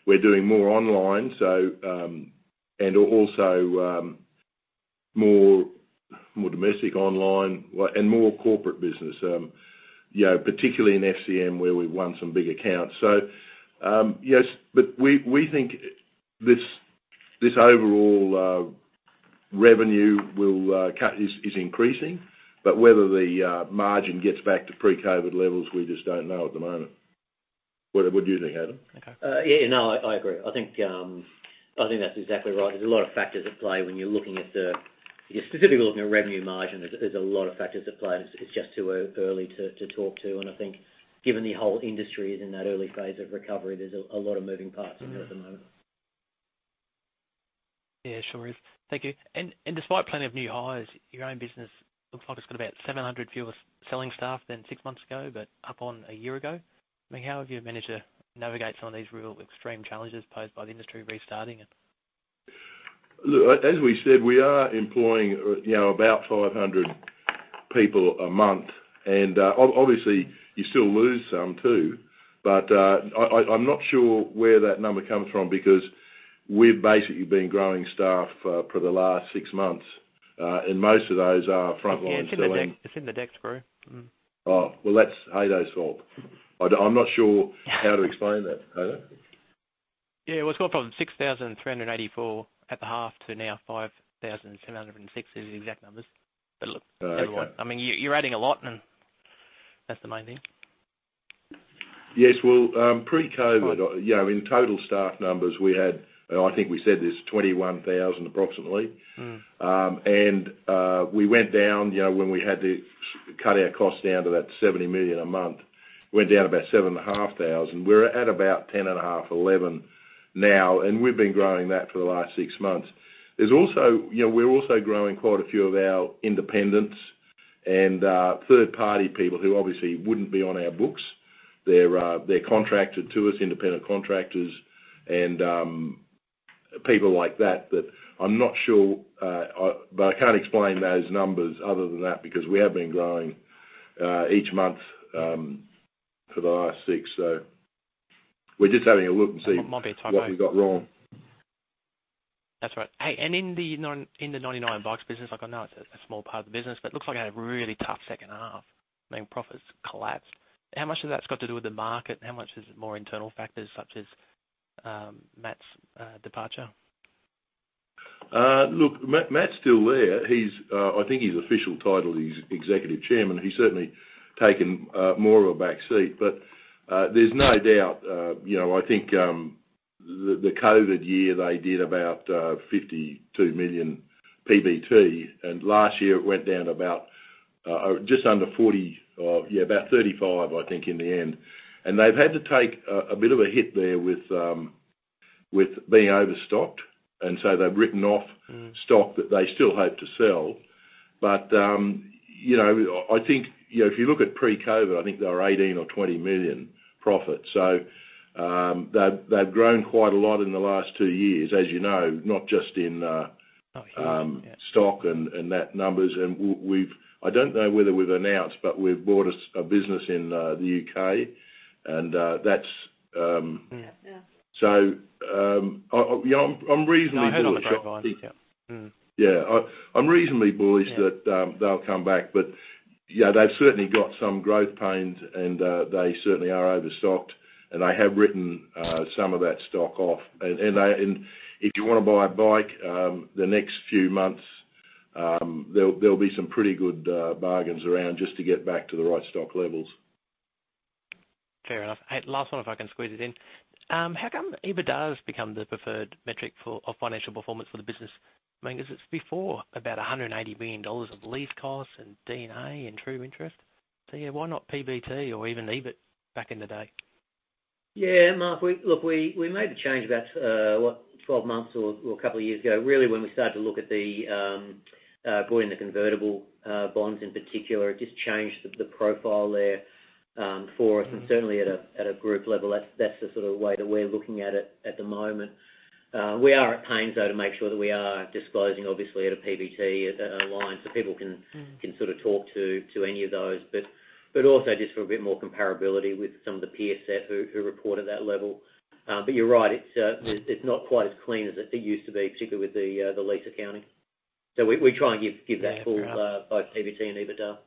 We're doing more online, so and also more domestic online and more corporate business, you know, particularly in FCM, where we've won some big accounts. Yes, but we think this overall revenue is increasing. But whether the margin gets back to pre-COVID levels, we just don't know at the moment. What do you think, Adam? Okay. Yeah, no, I agree. I think that's exactly right. There's a lot of factors at play when you're looking at, if you're specifically looking at revenue margin, there's a lot of factors at play. It's just too early to tell. I think given the whole industry is in that early phase of recovery, there's a lot of moving parts in there at the moment. Yeah, sure is. Thank you. Despite plenty of new hires, your own business looks like it's got about 700 fewer selling staff than six months ago, but up on a year ago. I mean, how have you managed to navigate some of these real extreme challenges posed by the industry restarting and Look, as we said, we are employing, you know, about 500 people a month. Obviously, you still lose some too. I'm not sure where that number comes from because we've basically been growing staff for the last six months. Most of those are frontline selling- Yeah, it's in the deck. It's in the deck, Graham Turner. Oh, well, that's Haydn's fault. I'm not sure how to explain that. Haydn? Yeah. Well, it's gone from 6,384 at the half to now 5,760, the exact numbers. Look- Oh, okay. I mean, you're adding a lot, and that's the main thing. Yes. Well, pre-COVID. Right. You know, in total staff numbers, we had, and I think we said this, 21,000 approximately. We cut our costs down to 70 million a month. Went down about 7,500. We're at about 10.5, 11 now, and we've been growing that for the last six months. There's also, you know, we're also growing quite a few of our independents and third-party people who obviously wouldn't be on our books. They're contracted to us, independent contractors and people like that I'm not sure, but I can't explain those numbers other than that, because we have been growing each month for the last six. We're just having a look and see. Might be typo. What we got wrong. That's right. Hey, in the 99 Bikes business, like I know it's a small part of the business, but it looks like you had a really tough second half. I mean, profits collapsed. How much of that's got to do with the market? How much is it more internal factors such as Matt’s departure? Look, Matt's still there. He's, I think his official title is Executive Chairman. He's certainly taken more of a back seat. There's no doubt, you know, I think, the COVID year they did about 52 million PBT, and last year it went down about just under 40, yeah, about 35, I think, in the end. They've had to take a bit of a hit there with being overstocked, and so they've written off stock that they still hope to sell. You know, I think, you know, if you look at pre-COVID, I think they were 18 million or 20 million profit. They've grown quite a lot in the last two years, as you know, not just in- Oh, yeah. ...stock and that numbers. I don't know whether we've announced, but we've bought a business in the U.K. and that's. Yeah. Yeah. You know, I'm reasonably bullish that. No, I heard on the grapevine. Yeah. Yeah. I'm reasonably bullish. Yeah. That they'll come back. Yeah, they've certainly got some growth pains and they certainly are overstocked, and they have written some of that stock off. If you wanna buy a bike the next few months, there'll be some pretty good bargains around just to get back to the right stock levels. Fair enough. Hey, last one, if I can squeeze it in. How come EBITDA has become the preferred metric for a financial performance for the business? I mean, 'cause it's before about 180 billion dollars of lease costs and D&A and true interest. Yeah, why not PBT or even EBIT back in the day? Yeah. Mark, look, we made the change about 12 months or a couple of years ago. Really, when we started to look at bringing the convertible bonds in particular, it just changed the profile there for us. Certainly at a group level. That's the sort of way that we're looking at it at the moment. We are at pains, though, to make sure that we are disclosing, obviously, at a PBT, at a line, so people can sort of talk to any of those. Also just for a bit more comparability with some of the peer set who report at that level. You're right, it's Yeah. It's not quite as clean as it used to be, particularly with the lease accounting. We try and give that full- Yeah. Fair enough. ...both PBT and EBITDA.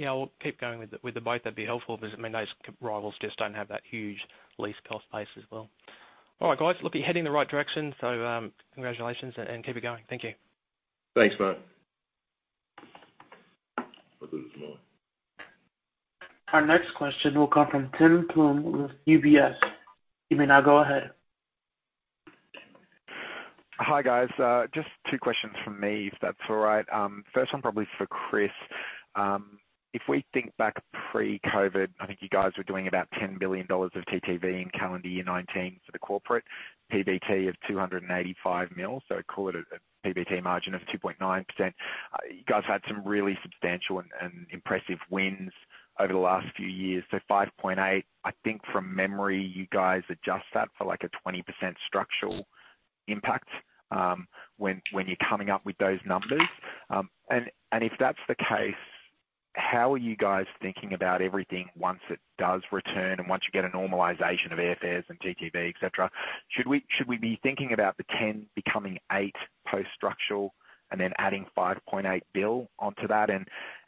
Yeah. We'll keep going with the bike. That'd be helpful because, I mean, those rivals just don't have that huge lease cost base as well. All right, guys, look, you're heading in the right direction, so congratulations and keep it going. Thank you. Thanks, Mark. We'll do this tomorrow. Our next question will come from Tim Plumbe with UBS. You may now go ahead. Hi, guys. Just two questions from me, if that's all right. First one probably is for Chris. If we think back pre-COVID, I think you guys were doing about 10 billion dollars of TTV in calendar year 2019 for the corporate PBT of 285 million, so call it a PBT margin of 2.9%. You guys had some really substantial and impressive wins over the last few years. Five point eight, I think from memory, you guys adjust that for, like, a 20% structural impact, when you're coming up with those numbers. If that's the case, how are you guys thinking about everything once it does return and once you get a normalization of airfares and TTV, etc.? Should we be thinking about the 10 becoming 8 post restructuring and then adding 5.8 billion onto that?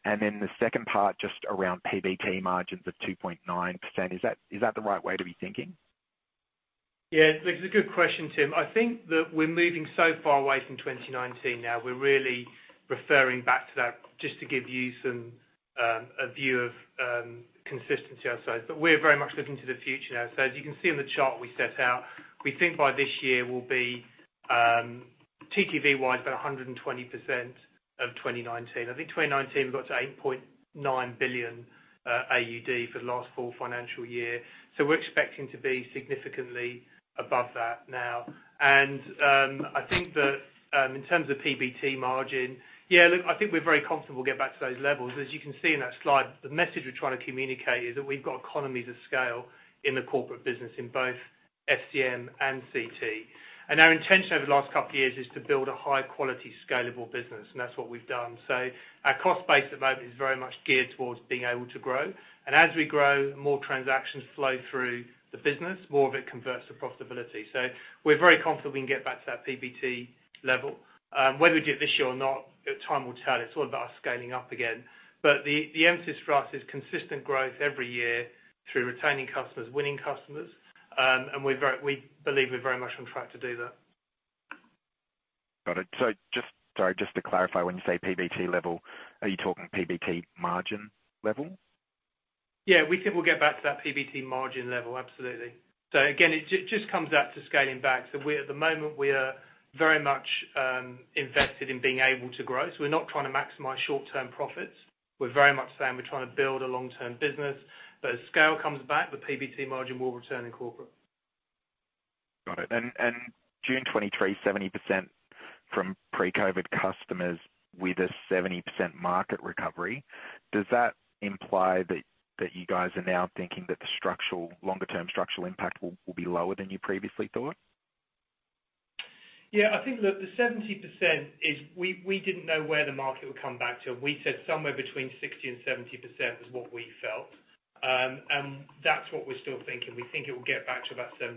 The second part just around PBT margins of 2.9%, is that the right way to be thinking? Yeah. Look, it's a good question, Tim. I think that we're moving so far away from 2019 now. We're really referring back to that just to give you some a view of consistency, I'd say. We're very much looking to the future now. As you can see in the chart we set out, we think by this year we'll be TTV-wise, about 120% of 2019. I think 2019 we got to 8.9 billion AUD for the last full financial year. We're expecting to be significantly above that now. I think that in terms of PBT margin, yeah, look, I think we're very comfortable getting back to those levels. As you can see in that slide, the message we're trying to communicate is that we've got economies of scale in the corporate business in both FCM and CT. Our intention over the last couple of years is to build a high quality, scalable business, and that's what we've done. Our cost base at the moment is very much geared towards being able to grow. As we grow, more transactions flow through the business, more of it converts to profitability. We're very confident we can get back to that PBT level. Whether we do it this year or not, time will tell. It's all about scaling up again. The emphasis for us is consistent growth every year through retaining customers, winning customers. We believe we're very much on track to do that. Got it. Just, sorry, just to clarify, when you say PBT level, are you talking PBT margin level? Yeah, we think we'll get back to that PBT margin level. Absolutely. It just comes back to scaling up. At the moment, we are very much invested in being able to grow. We're not trying to maximize short-term profits. We're very much saying we're trying to build a long-term business. As scale comes back, the PBT margin will return in Corporate. Got it. June 2023, 70% from pre-COVID customers with a 70% market recovery. Does that imply that you guys are now thinking that the longer term structural impact will be lower than you previously thought? Yeah, I think look, the 70% is we didn't know where the market would come back to. We said somewhere between 60% and 70% was what we felt. That's what we're still thinking. We think it will get back to about 70%.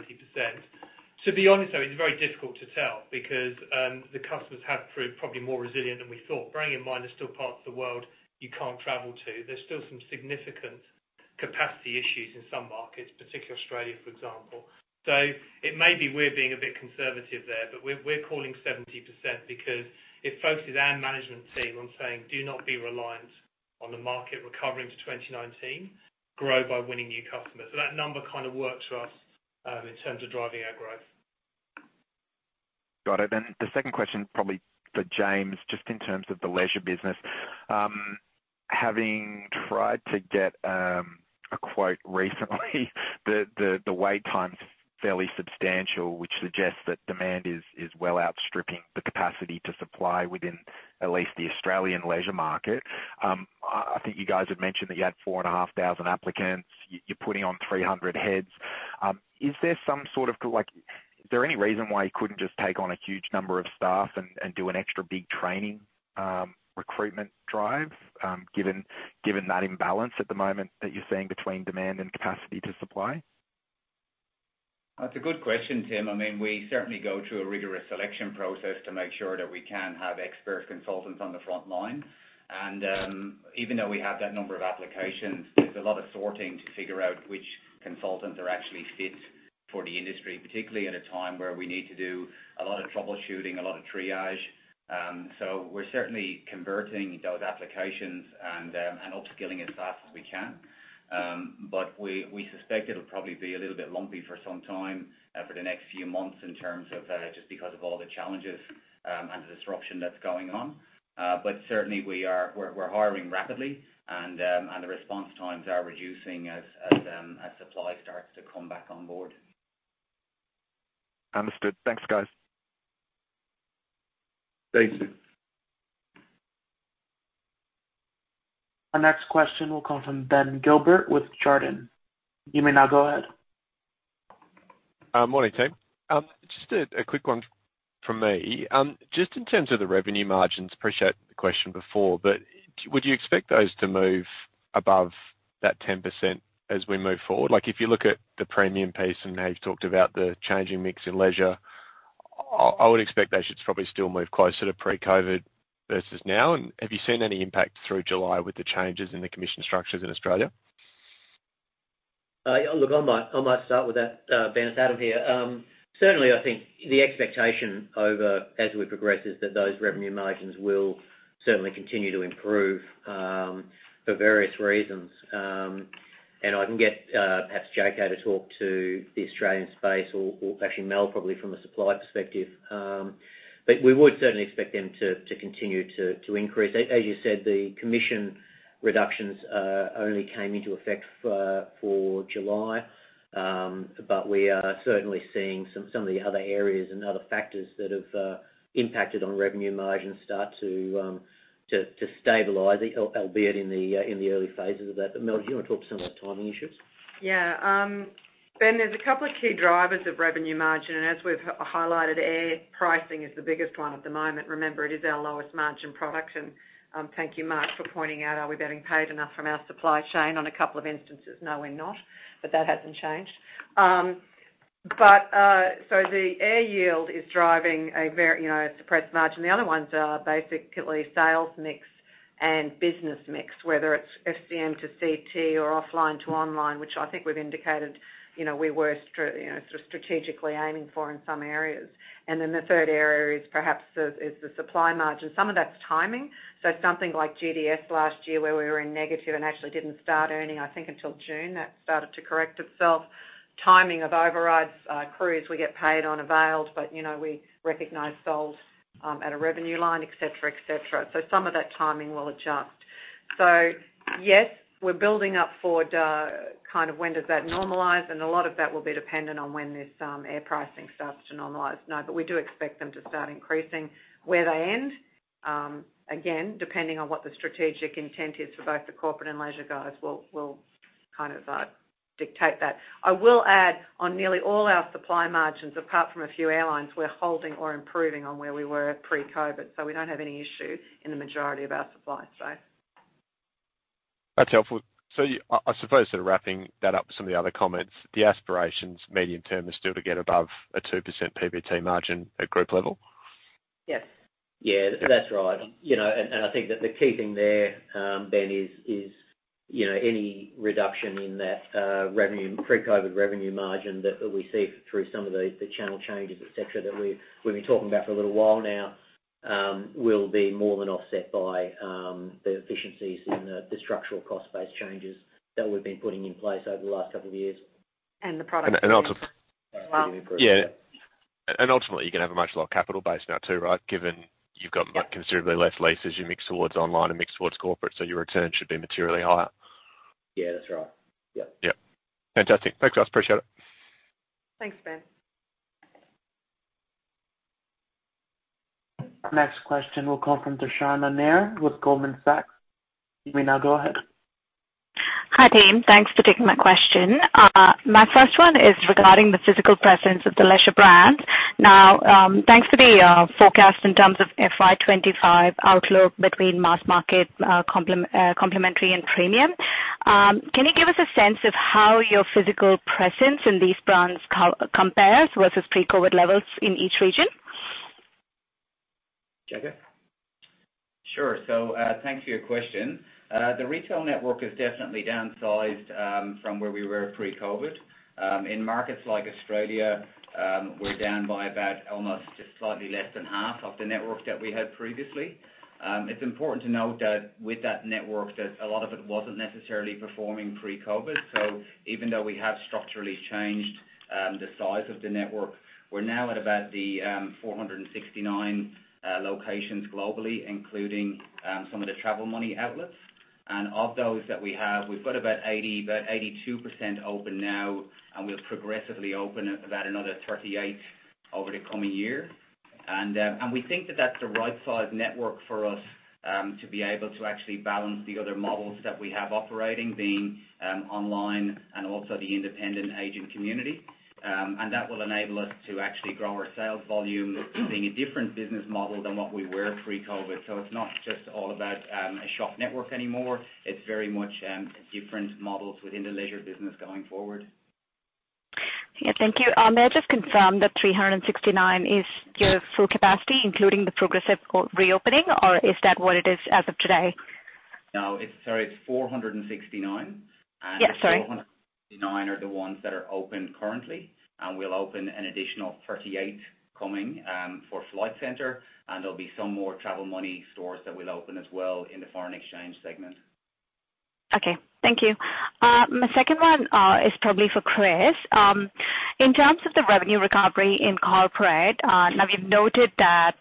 To be honest, though, it's very difficult to tell because the customers have proved probably more resilient than we thought. Bearing in mind, there's still parts of the world you can't travel to. There's still some significant capacity issues in some markets, particularly Australia, for example. It may be we're being a bit conservative there, but we're calling 70% because it focuses our management team on saying, "Do not be reliant on the market recovering to 2019. Grow by winning new customers." That number kind of works for us in terms of driving our growth. Got it. The second question, probably for James, just in terms of the leisure business. Having tried to get a quote recently, the wait time's fairly substantial, which suggests that demand is well outstripping the capacity to supply within at least the Australian leisure market. I think you guys have mentioned that you had 4,500 applicants. You're putting on 300 heads. Is there any reason why you couldn't just take on a huge number of staff and do an extra big training recruitment drive, given that imbalance at the moment that you're seeing between demand and capacity to supply? That's a good question, Tim. I mean, we certainly go through a rigorous selection process to make sure that we can have expert consultants on the front line. Even though we have that number of applications, there's a lot of sorting to figure out which consultants are actually fit for the industry, particularly at a time where we need to do a lot of troubleshooting, a lot of triage. So we're certainly converting those applications and upskilling as fast as we can. But we suspect it'll probably be a little bit lumpy for some time, for the next few months in terms of just because of all the challenges and the disruption that's going on. Certainly we're hiring rapidly and the response times are reducing as supply starts to come back on board. Understood. Thanks, guys. Thanks. Our next question will come from Ben Gilbert with Jarden. You may now go ahead. Morning, team. Just a quick one from me. Just in terms of the revenue margins, appreciate the question before, but would you expect those to move above that 10% as we move forward? Like, if you look at the premium piece and how you've talked about the changing mix in leisure, I would expect that should probably still move closer to pre-COVID versus now. Have you seen any impact through July with the changes in the commission structures in Australia? I might start with that, Ben. It's Adam here. Certainly I think the expectation over as we progress is that those revenue margins will certainly continue to improve for various reasons. I can get perhaps J.K. to talk to the Australian space or actually Mel, probably from a supply perspective. We would certainly expect them to continue to increase. As you said, the commission reductions only came into effect for July. We are certainly seeing some of the other areas and other factors that have impacted on revenue margins start to stabilize, albeit in the early phases of that. Mel, do you wanna talk some of the timing issues? Ben, there's a couple of key drivers of revenue margin, and as we've highlighted, air pricing is the biggest one at the moment. Remember, it is our lowest margin product. Thank you, Mark, for pointing out, are we being paid enough from our supply chain on a couple of instances? No, we're not, but that hasn't changed. The air yield is driving a very, you know, suppressed margin. The other ones are basically sales mix and business mix, whether it's SME to CT or offline to online, which I think we've indicated, you know, we were strategically aiming for in some areas. The third area is perhaps the supply margin. Some of that's timing. Something like GDS last year where we were in negative and actually didn't start earning, I think until June, that started to correct itself. Timing of overrides, accruals, we get paid on accrual, but you know, we recognize those at the revenue line, et cetera, et cetera. Some of that timing will adjust. Yes, we're building up for the kind of, when does that normalize? A lot of that will be dependent on when this air pricing starts to normalize. No, but we do expect them to start increasing. Where they end, again, depending on what the strategic intent is for both the corporate and leisure guys will kind of dictate that. I will add on nearly all our supply margins, apart from a few airlines, we're holding or improving on where we were pre-COVID, so we don't have any issue in the majority of our supply space. That's helpful. I suppose sort of wrapping that up with some of the other comments, the aspirations medium-term is still to get above a 2% PBT margin at group level? Yes. Yeah, that's right. You know, I think that the key thing there, Ben is, you know, any reduction in that revenue pre-COVID revenue margin that we see through some of the channel changes, et cetera, that we've been talking about for a little while now, will be more than offset by the efficiencies in the structural cost base changes that we've been putting in place over the last couple of years. The product mix. Ultimately you can have a much lower capital base now too, right? Given you've got considerably less leases, you mix towards online and mix towards corporate, so your return should be materially higher. Yeah, that's right. Yep. Yep. Fantastic. Thanks guys, appreciate it. Thanks, Ben. Next question will come from Tushar Nair with Goldman Sachs. You may now go ahead. Hi, team. Thanks for taking my question. My first one is regarding the physical presence of the Leisure brand. Now, thanks to the forecast in terms of FY 25 outlook between mass market, complementary and premium, can you give us a sense of how your physical presence in these brands compares versus pre-COVID levels in each region? J.K.? Sure. Thanks for your question. The retail network is definitely downsized from where we were pre-COVID. In markets like Australia, we're down by about almost just slightly less than half of the network that we had previously. It's important to note that with that network, a lot of it wasn't necessarily performing pre-COVID. Even though we have structurally changed the size of the network, we're now at about the 469 locations globally, including some of the Travel Money outlets. Of those that we have, we've got about 82% open now, and we'll progressively open about another 38 over the coming year. We think that that's the right size network for us to be able to actually balance the other models that we have operating, being online and also the independent agent community. That will enable us to actually grow our sales volume being a different business model than what we were pre-COVID. It's not just all about a shop network anymore. It's very much different models within the Leisure business going forward. Yeah. Thank you. May I just confirm that 369 is your full capacity, including the progressive re-opening, or is that what it is as of today? No, sorry, it's 469. Yeah, sorry. 469 are the ones that are open currently, and we'll open an additional 38 coming for Flight Centre, and there'll be some more Travel Money stores that we'll open as well in the foreign exchange segment. Okay. Thank you. My second one is probably for Chris. In terms of the revenue recovery in corporate, now you've noted that,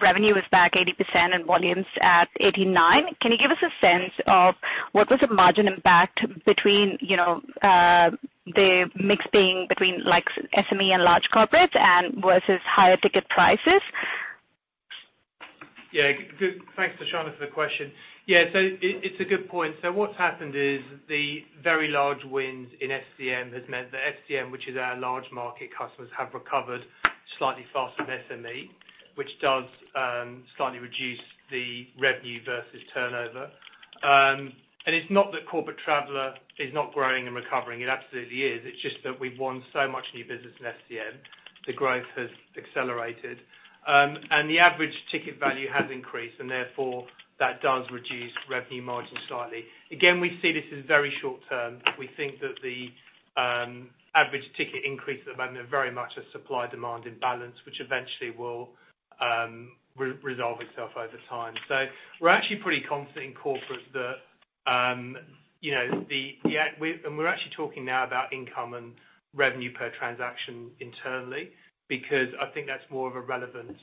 revenue is back 80% and volumes at 89%. Can you give us a sense of what was the margin impact between, you know, the mix being between like SME and large corporate and versus higher ticket prices? Yeah, good. Thanks, Tushar for the question. Yeah. It's a good point. What's happened is the very large wins in FCM has meant that FCM, which is our large market customers, have recovered slightly faster than SME, which does slightly reduce the revenue versus turnover. It's not that Corporate Traveller is not growing and recovering. It absolutely is. It's just that we've won so much new business in FCM, the growth has accelerated. The average ticket value has increased, and therefore that does reduce revenue margin slightly. Again, we see this as very short term. We think that the average ticket increase at the moment are very much a supply demand imbalance, which eventually will resolve itself over time. We're actually pretty confident in Corporate that, you know, the we... We're actually talking now about income and revenue per transaction internally, because I think that's more of a relevant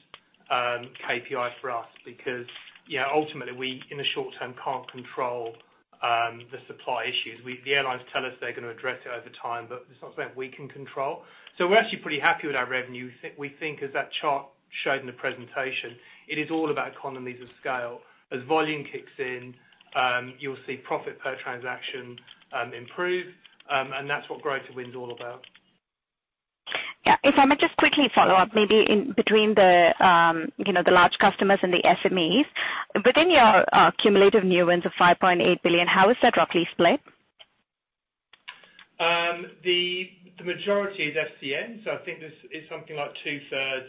KPI for us because, you know, ultimately we in the short term can't control the supply issues. The airlines tell us they're gonna address it over time, but it's not something we can control. We're actually pretty happy with our revenue. We think as that chart showed in the presentation, it is all about economies of scale. As volume kicks in, you'll see profit per transaction improve, and that's what Grow to Win is all about. Yeah. If I may just quickly follow up, maybe in between the large customers and the SMEs. Within your cumulative new wins of 5.8 billion, how is that roughly split? The majority is SCM. I think this is something like two-thirds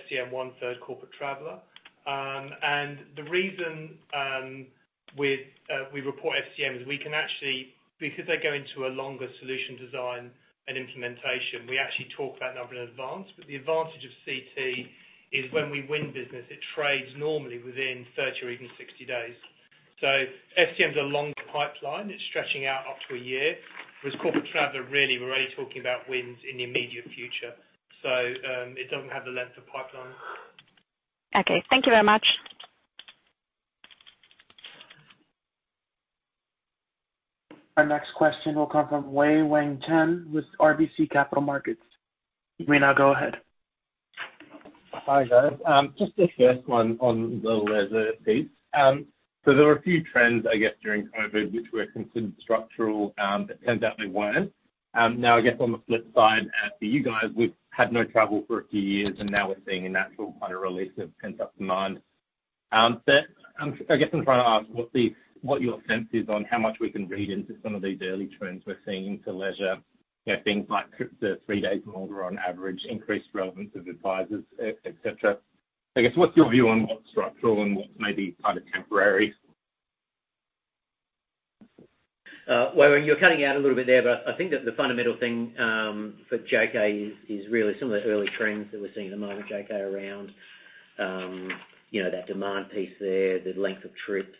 SCM, 1/3 Corporate Traveller. The reason we report SCM is we can actually, because they go into a longer solution design and implementation, we actually track that number in advance. The advantage of CT is when we win business, it starts normally within 30, or even 60 days. SCM is a longer pipeline. It's stretching out up to a year. With Corporate Traveller, really we're only talking about wins in the immediate future. It doesn't have the length of pipeline. Okay. Thank you very much. Our next question will come from Wei-Weng Chen with RBC Capital Markets. You may now go ahead. Hi, guys. Just the first one on the Leisure piece. There were a few trends, I guess, during COVID, which were considered structural, but turns out they weren't. Now, I guess, on the flip side, for you guys, we've had no travel for a few years, and now we're seeing a natural kind of release of pent-up demand. I guess I'm trying to ask what your sense is on how much we can read into some of these early trends we're seeing to Leisure. You know, things like trips are three days and older on average, increased relevance of advisors, et cetera. I guess, what's your view on what's structural and what's maybe kind of temporary? Wei, you're cutting out a little bit there, but I think that the fundamental thing for J.K. is really some of the early trends that we're seeing at the moment, J.K., around, you know, that demand piece there, the length of trips,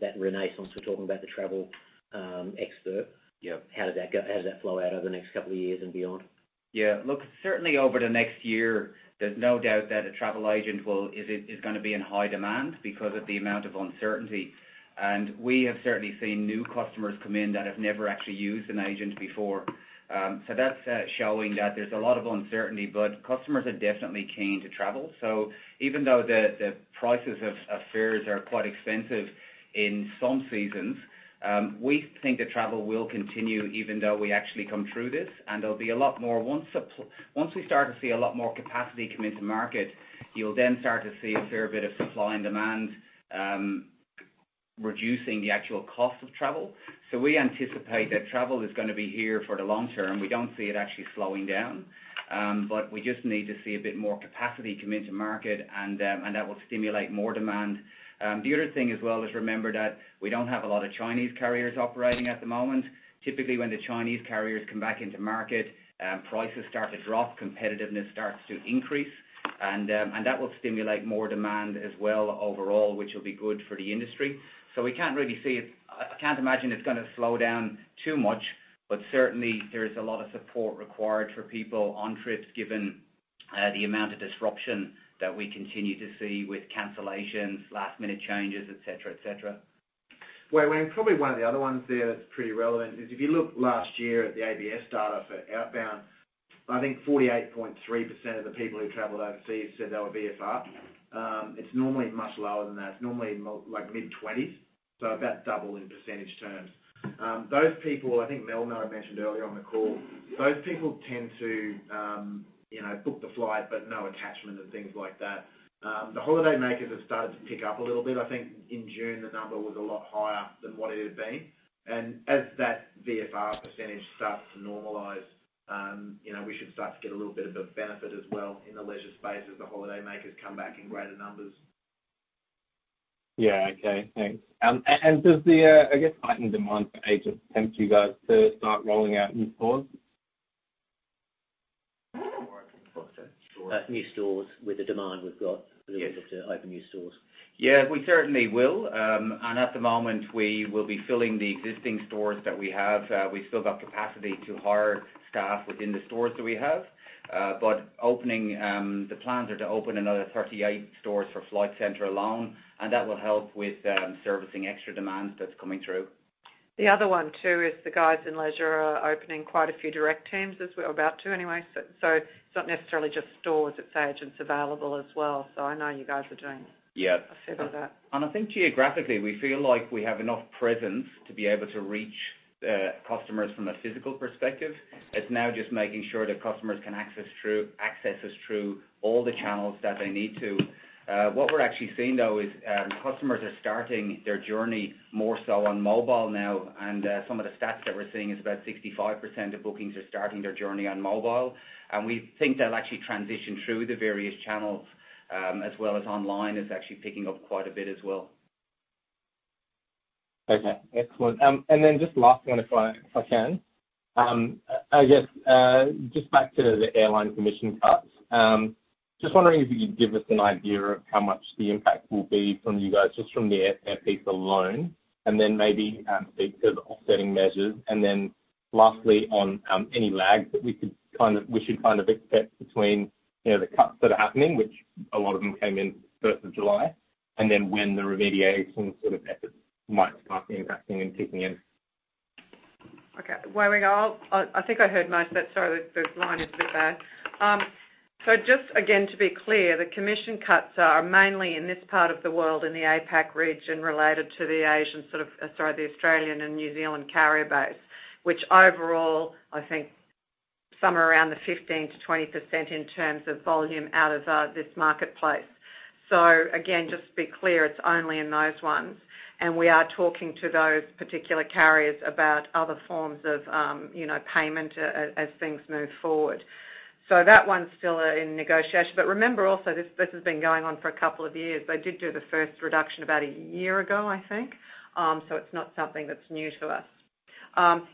that renaissance we're talking about, the travel expert. Yeah. How does that flow out over the next couple of years and beyond? Look, certainly over the next year, there's no doubt that a travel agent is gonna be in high demand because of the amount of uncertainty. We have certainly seen new customers come in that have never actually used an agent before. That's showing that there's a lot of uncertainty, but customers are definitely keen to travel. Even though the prices of fares are quite expensive in some seasons, we think that travel will continue even though we actually come through this. There'll be a lot more once we start to see a lot more capacity come into market. You'll then start to see a fair bit of supply and demand reducing the actual cost of travel. We anticipate that travel is gonna be here for the long term. We don't see it actually slowing down. We just need to see a bit more capacity come into market and that will stimulate more demand. The other thing as well is remember that we don't have a lot of Chinese carriers operating at the moment. Typically, when the Chinese carriers come back into market, prices start to drop, competitiveness starts to increase, and that will stimulate more demand as well overall, which will be good for the industry. We can't really see. I can't imagine it's gonna slow down too much, but certainly, there is a lot of support required for people on trips, given the amount of disruption that we continue to see with cancellations, last-minute changes, et cetera, et cetera. Wei-Weng Chen, probably one of the other ones there that's pretty relevant is if you look last year at the ABS data for outbound, I think 48.3% of the people who traveled overseas said they were VFR. It's normally much lower than that. It's normally like mid-twenties, so about double in percentage terms. Those people, I think Mel might have mentioned earlier on the call, those people tend to, you know, book the flight, but no attachment and things like that. The holidaymakers have started to pick up a little bit. I think in June the number was a lot higher than what it had been. As that VFR percentage starts to normalize, you know, we should start to get a little bit of a benefit as well in the leisure space as the holidaymakers come back in greater numbers. Yeah. Okay. Thanks. Does the, I guess, heightened demand for agents tempt you guys to start rolling out new stores? New stores. With the demand we've got. Yes. We look to open new stores. Yeah, we certainly will. At the moment we will be filling the existing stores that we have. We've still got capacity to hire staff within the stores that we have. The plans are to open another 38 stores for Flight Centre alone, and that will help with servicing extra demand that's coming through. The other one, too, is the guys in leisure are opening quite a few direct teams or about to anyway. It's not necessarily just stores, it's agents available as well. I know you guys are doing- Yeah. A fair bit of that. I think geographically, we feel like we have enough presence to be able to reach, customers from a physical perspective. It's now just making sure that customers can access us through all the channels that they need to. What we're actually seeing, though, is, customers are starting their journey more so on mobile now, and, some of the stats that we're seeing is about 65% of bookings are starting their journey on mobile. We think they'll actually transition through the various channels, as well as online is actually picking up quite a bit as well. Okay. Excellent. Just last one, if I can. I guess, just back to the airline commission cuts. Just wondering if you could give us an idea of how much the impact will be from you guys, just from the air piece alone, and then maybe speak to the offsetting measures. Lastly, on any lag that we should kind of expect between, you know, the cuts that are happening, which a lot of them came in first of July, and then when the remediation sort of efforts might start impacting and kicking in. Okay. Wei-Weng Chen, I think I heard most but sorry, the line is a bit bad. Just again, to be clear, the commission cuts are mainly in this part of the world, in the APAC region related to the Australian and New Zealand carrier base, which overall I think somewhere around 15%-20% in terms of volume out of this marketplace. Again, just to be clear, it's only in those ones, and we are talking to those particular carriers about other forms of, you know, payment as things move forward. That one's still in negotiation. Remember also this has been going on for a couple of years. They did do the first reduction about a year ago, I think. It's not something that's new to us.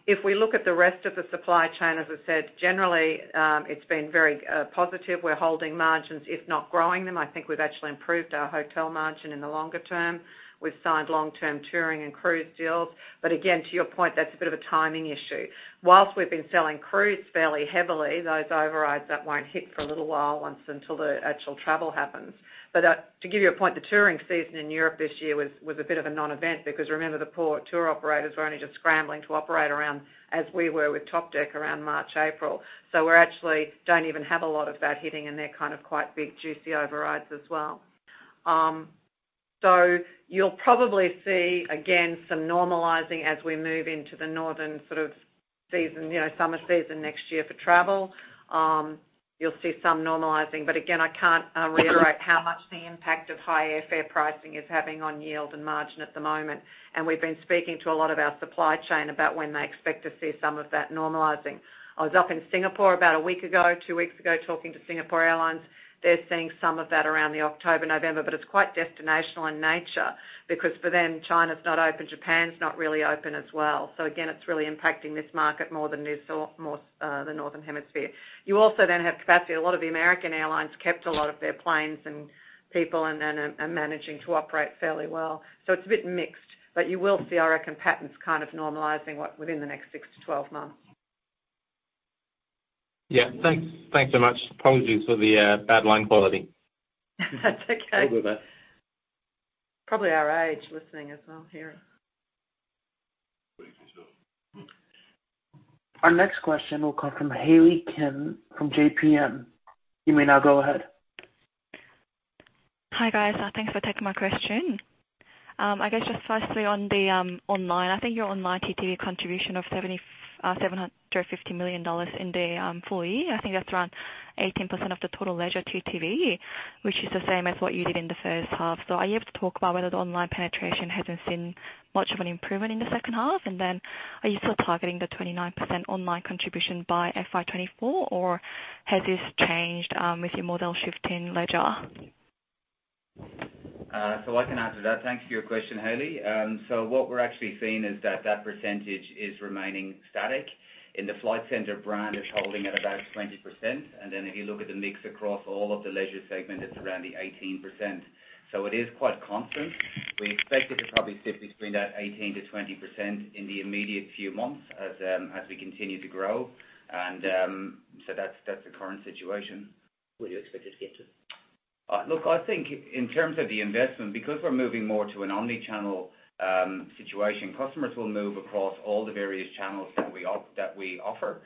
If we look at the rest of the supply chain, as I said, generally, it's been very positive. We're holding margins, if not growing them. I think we've actually improved our hotel margin in the longer term. We've signed long-term touring and cruise deals. Again, to your point, that's a bit of a timing issue. While we've been selling cruise fairly heavily, those overrides, that won't hit for a little while until the actual travel happens. To give you a point, the touring season in Europe this year was a bit of a non-event because remember the poor tour operators were only just scrambling to operate around, as we were with Topdeck, around March, April. We actually don't even have a lot of that hitting, and they're kind of quite big, juicy overrides as well. You'll probably see again some normalizing as we move into the northern sort of season, you know, summer season next year for travel. You'll see some normalizing, but again, I can't reiterate how much the impact of high airfare pricing is having on yield and margin at the moment. We've been speaking to a lot of our supply chain about when they expect to see some of that normalizing. I was up in Singapore about a week ago, two weeks ago, talking to Singapore Airlines. They're seeing some of that around October, November, but it's quite destinational in nature because for them, China's not open, Japan's not really open as well. Again, it's really impacting this market so more the Northern Hemisphere. You also then have capacity. A lot of the American airlines kept a lot of their planes and people and then are managing to operate fairly well. It's a bit mixed. You will see, I reckon, patterns kind of normalizing within the next six-12 months. Yeah. Thanks. Thanks so much. Apologies for the bad line quality. That's okay. No worries there. Probably our age listening as well here. Our next question will come from Hailey Kim from JPM. You may now go ahead. Hi, guys. Thanks for taking my question. I guess just firstly on the online. I think your online TTV contribution of 750 million dollars in the full year, I think that's around 18% of the total leisure TTV, which is the same as what you did in the first half. Are you able to talk about whether the online penetration hasn't seen much of an improvement in the second half? And then are you still targeting the 29% online contribution by FY 2024 or has this changed with your model shift in leisure? I can answer that. Thanks for your question, Hayley. What we're actually seeing is that percentage is remaining static. In the Flight Centre brand, it's holding at about 20%. If you look at the mix across all of the leisure segment, it's around the 18%. It is quite constant. We expect it to probably sit between that 18%-20% in the immediate few months as we continue to grow. That's the current situation. What do you expect it to get to? Look, I think in terms of the investment, because we're moving more to an omni-channel situation, customers will move across all the various channels that we offer.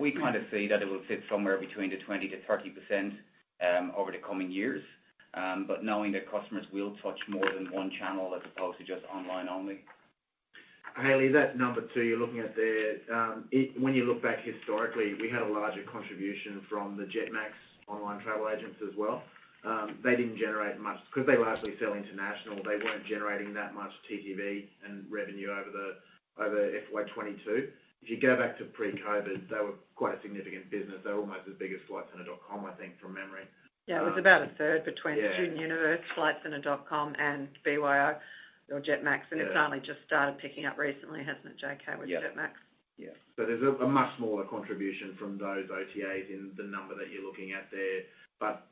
We kind of see that it will sit somewhere between 20%-30% over the coming years. Knowing that customers will touch more than one channel as opposed to just online only. Hailey, that number too, you're looking at there, when you look back historically, we had a larger contribution from the Jetmax online travel agents as well. They didn't generate much because they largely sell international. They weren't generating that much TTV and revenue over FY 2022. If you go back to pre-COVID, they were quite a significant business. They're almost as big as flightcentre.com.au, I think, from memory. It was about a third. Yeah. StudentUniverse, flightcentre.com.au and BYOjet or Jetmax. Yeah. It's only just started picking up recently, hasn't it, J.K.? Yeah. With Jetmax? Yeah. There's a much smaller contribution from those OTAs in the number that you're looking at there.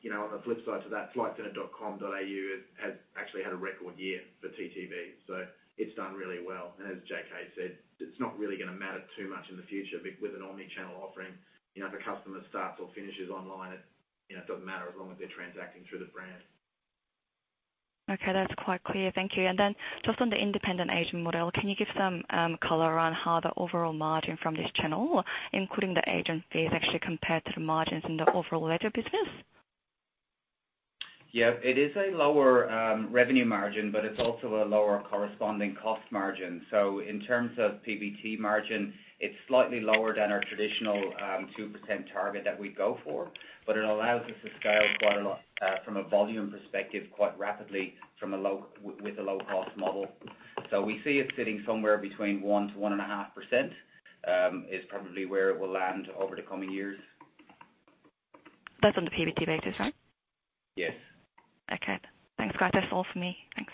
You know, on the flip side to that, flightcentre.com.au has actually had a record year for TTV, so it's done really well. As J.K. said, it's not really gonna matter too much in the future with an omni-channel offering. You know, if a customer starts or finishes online, it, you know, it doesn't matter as long as they're transacting through the brand. Okay. That's quite clear. Thank you. Just on the independent agent model, can you give some color around how the overall margin from this channel, including the agent fees, actually compare to the margins in the overall leisure business? Yeah. It is a lower revenue margin, but it's also a lower corresponding cost margin. In terms of PBT margin, it's slightly lower than our traditional 2% target that we go for. It allows us to scale quite a lot from a volume perspective, quite rapidly from a low cost model. We see it sitting somewhere between 1%-1.5%, is probably where it will land over the coming years. That's on the PBT basis, right? Yes. Okay. Thanks, guys. That's all for me. Thanks.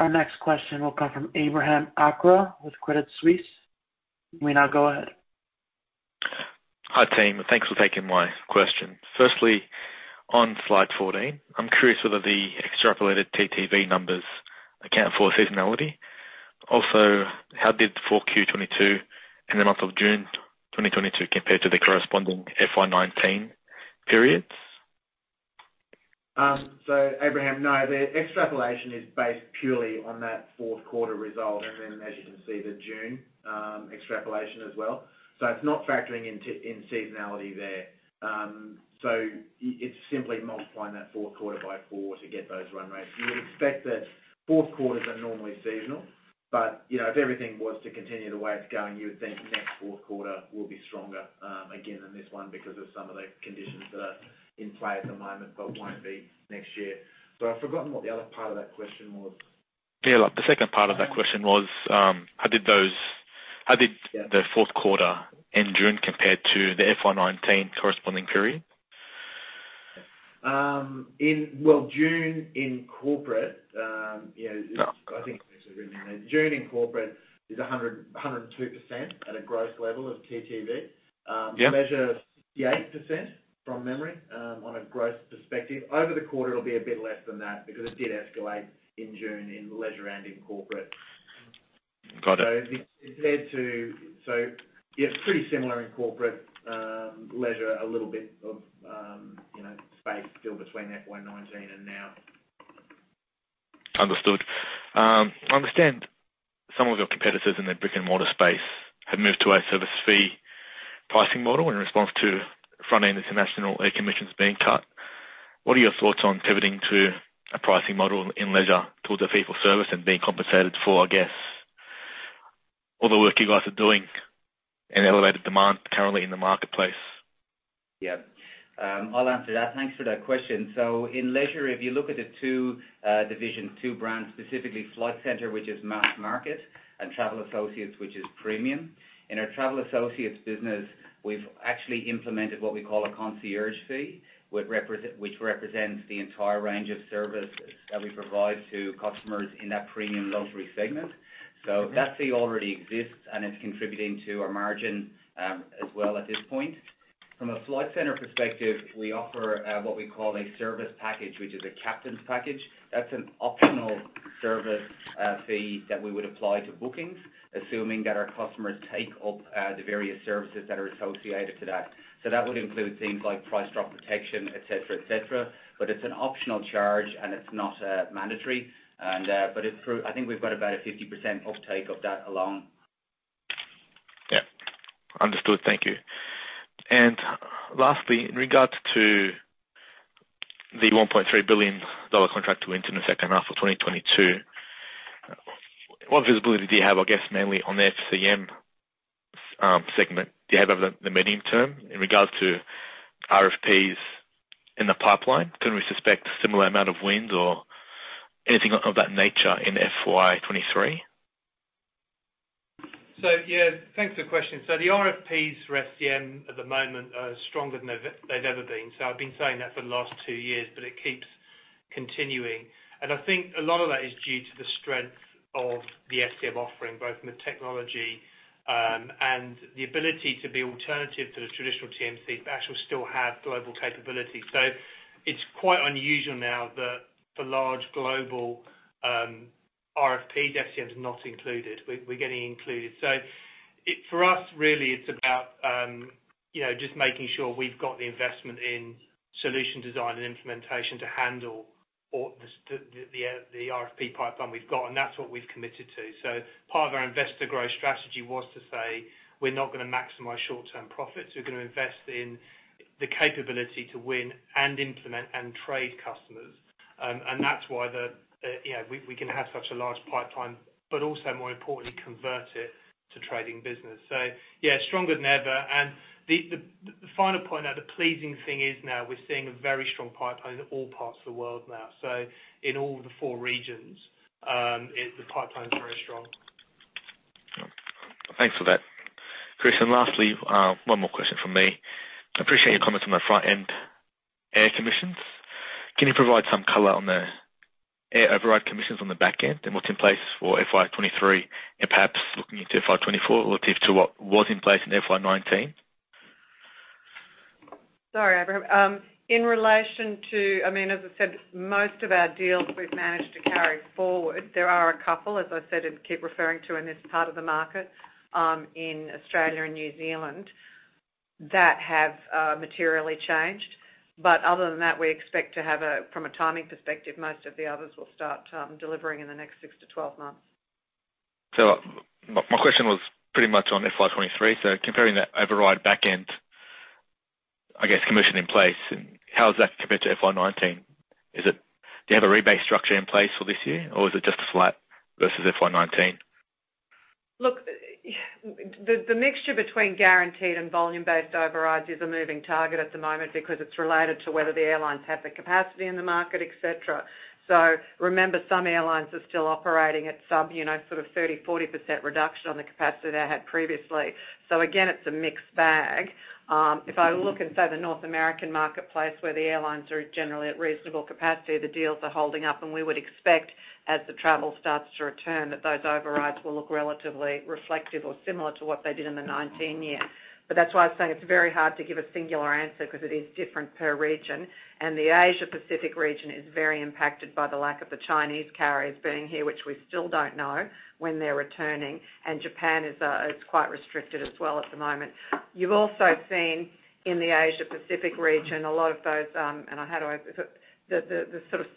Our next question will come from Abraham Akra with Credit Suisse. You may now go ahead. Hi, team. Thanks for taking my question. Firstly, on slide 14, I'm curious whether the extrapolated TTV numbers account for seasonality. Also, how did the full Q22 and the month of June 2022 compare to the corresponding FY19 periods? Abraham Akra, no, the extrapolation is based purely on that Q4 result and then as you can see the June extrapolation as well. It's not factoring in in seasonality there. It's simply multiplying that Q4 by four to get those run rates. You would expect that Q4s are normally seasonal, but you know, if everything was to continue the way it's going, you would think next Q4 will be stronger again than this one because of some of the conditions that are in play at the moment, but won't be next year. I've forgotten what the other part of that question was. Yeah. The second part of that question was, how did Yeah. The Q4 in June compare to the FY19 corresponding period? Well, June in Corporate, you know, I think it's actually written in there. June in Corporate is 102% at a gross level of TTV. Yeah. Measured 68% from memory, on a gross perspective. Over the quarter it'll be a bit less than that because it did escalate in June in leisure and in corporate. Got it. Yeah, it's pretty similar in corporate. Leisure, a little bit of, you know, space still between FY 19 and now. Understood. I understand some of your competitors in the brick-and-mortar space have moved to a service fee pricing model in response to front-end international air commissions being cut. What are your thoughts on pivoting to a pricing model in leisure towards a fee for service and being compensated for, I guess, all the work you guys are doing in elevated demand currently in the marketplace? I'll answer that. Thanks for that question. In leisure, if you look at the two, division, two brands, specifically Flight Centre, which is mass market, and Travel Associates, which is premium. In our Travel Associates business, we've actually implemented what we call a concierge fee, which represents the entire range of services that we provide to customers in that premium luxury segment. That fee already exists, and it's contributing to our margin, as well at this point. From a Flight Centre perspective, we offer what we call a service package, which is a Captain's Package. That's an optional service fee that we would apply to bookings, assuming that our customers take up the various services that are associated to that. That would include things like price drop protection, et cetera. It's an optional charge, and it's not mandatory. I think we've got about a 50% uptake of that alone. Yeah. Understood. Thank you. Lastly, in regards to the $1.3 billion contract wins in the second half of 2022, what visibility do you have, I guess, mainly on the FCM segment? Do you have the medium term in regards to RFPs in the pipeline? Can we suspect a similar amount of wins or anything of that nature in FY 2023? Yeah, thanks for the question. The RFPs for FCM at the moment are stronger than they've ever been. I've been saying that for the last two years, but it keeps continuing. I think a lot of that is due to the strength of the FCM offering, both from the technology and the ability to be alternative to the traditional TMC, but actually still have global capability. It's quite unusual now that the large global RFP, FCM is not included. We're getting included. For us, really, it's about you know, just making sure we've got the investment in solution design and implementation to handle all this, the RFP pipeline we've got, and that's what we've committed to. Part of our investor growth strategy was to say, we're not gonna maximize short-term profits. We're gonna invest in the capability to win and implement and trade customers. That's why, you know, we can have such a large pipeline, but also more importantly, convert it to trading business. Yeah, stronger than ever. The final point, now the pleasing thing is now we're seeing a very strong pipeline in all parts of the world now. In all the four regions, the pipeline is very strong. Thanks for that. Chris, and lastly, one more question from me. I appreciate your comments on the front-end air commissions. Can you provide some color on the air override commissions on the back end, and what's in place for FY 2023 and perhaps looking into FY 2024 relative to what was in place in FY 2019? Sorry, Abraham. I mean, as I said, most of our deals we've managed to carry forward. There are a couple, as I said, I keep referring to in this part of the market, in Australia and New Zealand that have materially changed. Other than that, we expect, from a timing perspective, most of the others will start delivering in the next six-12 months. My question was pretty much on FY 2023. Comparing that override back end, I guess, commission in place, and how does that compare to FY 2019? Is it? Do you have a rebate structure in place for this year, or is it just a flat versus FY 2019? Look, the mixture between guaranteed and volume-based overrides is a moving target at the moment because it's related to whether the airlines have the capacity in the market, et cetera. Remember, some airlines are still operating at sub- sort of 30%-40% reduction on the capacity they had previously. Again, it's a mixed bag. If I look in, say, the North American marketplace, where the airlines are generally at reasonable capacity, the deals are holding up, and we would expect as the travel starts to return, that those overrides will look relatively reflective or similar to what they did in 2019. That's why I'm saying it's very hard to give a singular answer 'cause it is different per region. The Asia Pacific region is very impacted by the lack of the Chinese carriers being here, which we still don't know when they're returning. Japan is quite restricted as well at the moment. You've also seen in the Asia Pacific region a lot of those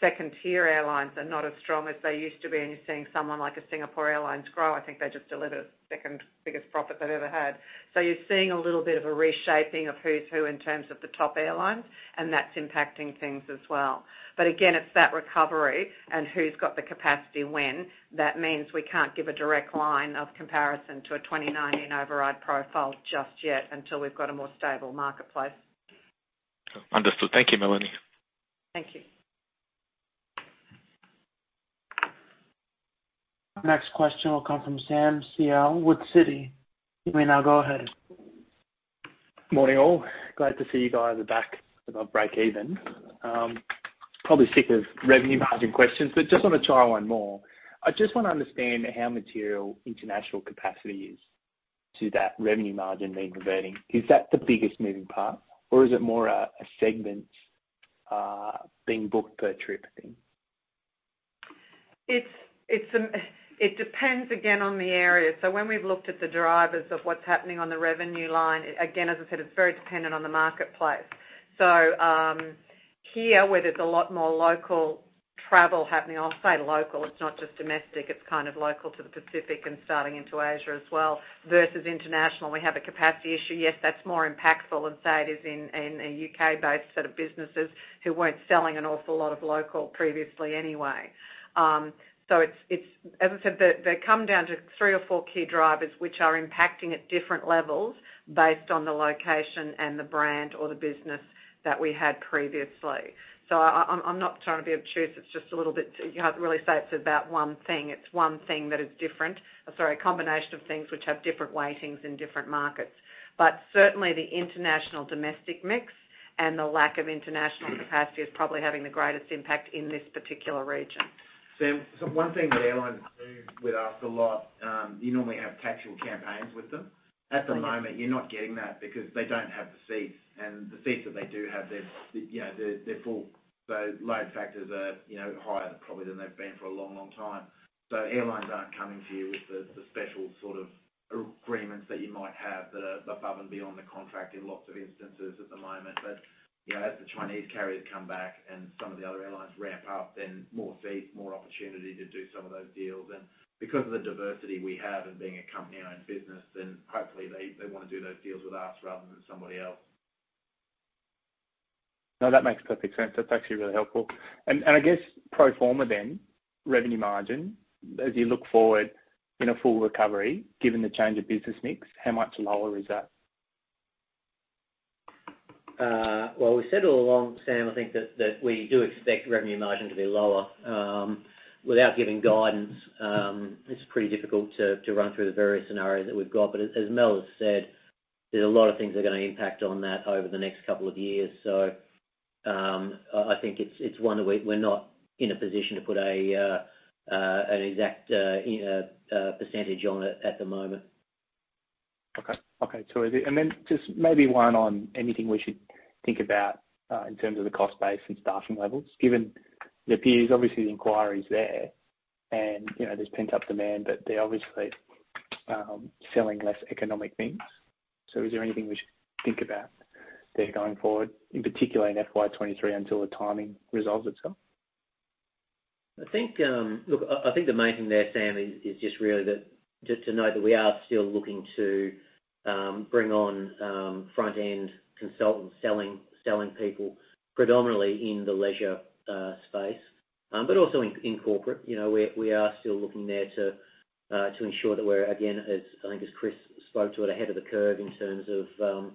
second-tier airlines are not as strong as they used to be. You're seeing someone like a Singapore Airlines grow. I think they just delivered the second biggest profit they've ever had. You're seeing a little bit of a reshaping of who's who in terms of the top airlines, and that's impacting things as well. Again, it's that recovery and who's got the capacity when. That means we can't give a direct line of comparison to a 2019 override profile just yet until we've got a more stable marketplace. Understood. Thank you, Melanie. Thank you. Next question will come from Sam Seow with Citi. You may now go ahead. Morning, all. Glad to see you guys are back above breakeven. Probably sick of revenue margin questions, but just wanna try one more. I just wanna understand how material international capacity is to that revenue margin then converting. Is that the biggest moving part or is it more a segment being booked per trip thing? It depends again on the area. When we've looked at the drivers of what's happening on the revenue line, again, as I said, it's very dependent on the marketplace. Here, where there's a lot more local travel happening, I'll say local, it's not just domestic, it's kind of local to the Pacific and starting into Asia as well. Versus international, we have a capacity issue. Yes, that's more impactful than say it is in a U.K.-based set of businesses who weren't selling an awful lot of local previously anyway. It, as I said, they come down to three or four key drivers which are impacting at different levels based on the location and the brand or the business that we had previously. I'm not trying to be obtuse. It's just a little bit. You can't really say it's about one thing. It's one thing that is different. Sorry, a combination of things which have different weightings in different markets. Certainly the international domestic mix. The lack of international capacity is probably having the greatest impact in this particular region. Sam, one thing that airlines do with us a lot. You normally have tactical campaigns with them. At the moment, you're not getting that because they don't have the seats, and the seats that they do have, they're full. Load factors are higher probably than they've been for a long, long time. Airlines aren't coming to you with the special sort of agreements that you might have that are above and beyond the contract in lots of instances at the moment. You know, as the Chinese carriers come back and some of the other airlines ramp up, more seats, more opportunity to do some of those deals. Because of the diversity we have in being a company-owned business, hopefully they wanna do those deals with us rather than somebody else. No, that makes perfect sense. That's actually really helpful. I guess pro forma then, revenue margin, as you look forward in a full recovery, given the change of business mix, how much lower is that? Well, we said all along, Sam, I think that we do expect revenue margin to be lower. Without giving guidance, it's pretty difficult to run through the various scenarios that we've got. As Mel has said, there's a lot of things are gonna impact on that over the next couple of years. I think it's one that we're not in a position to put an exact, you know, percentage on it at the moment. Okay, too easy. Then just maybe one on anything we should think about in terms of the cost base and staffing levels, given it appears obviously the inquiry is there and, you know, there's pent-up demand, but they're obviously selling less economic things. Is there anything we should think about there going forward, in particular in FY 2023 until the timing resolves itself? I think, look, I think the main thing there, Sam, is just really that just to note that we are still looking to bring on front-end consultants selling people predominantly in the leisure space. But also in corporate. You know, we are still looking there to ensure that we're, again, as I think as Chris spoke to it, ahead of the curve in terms of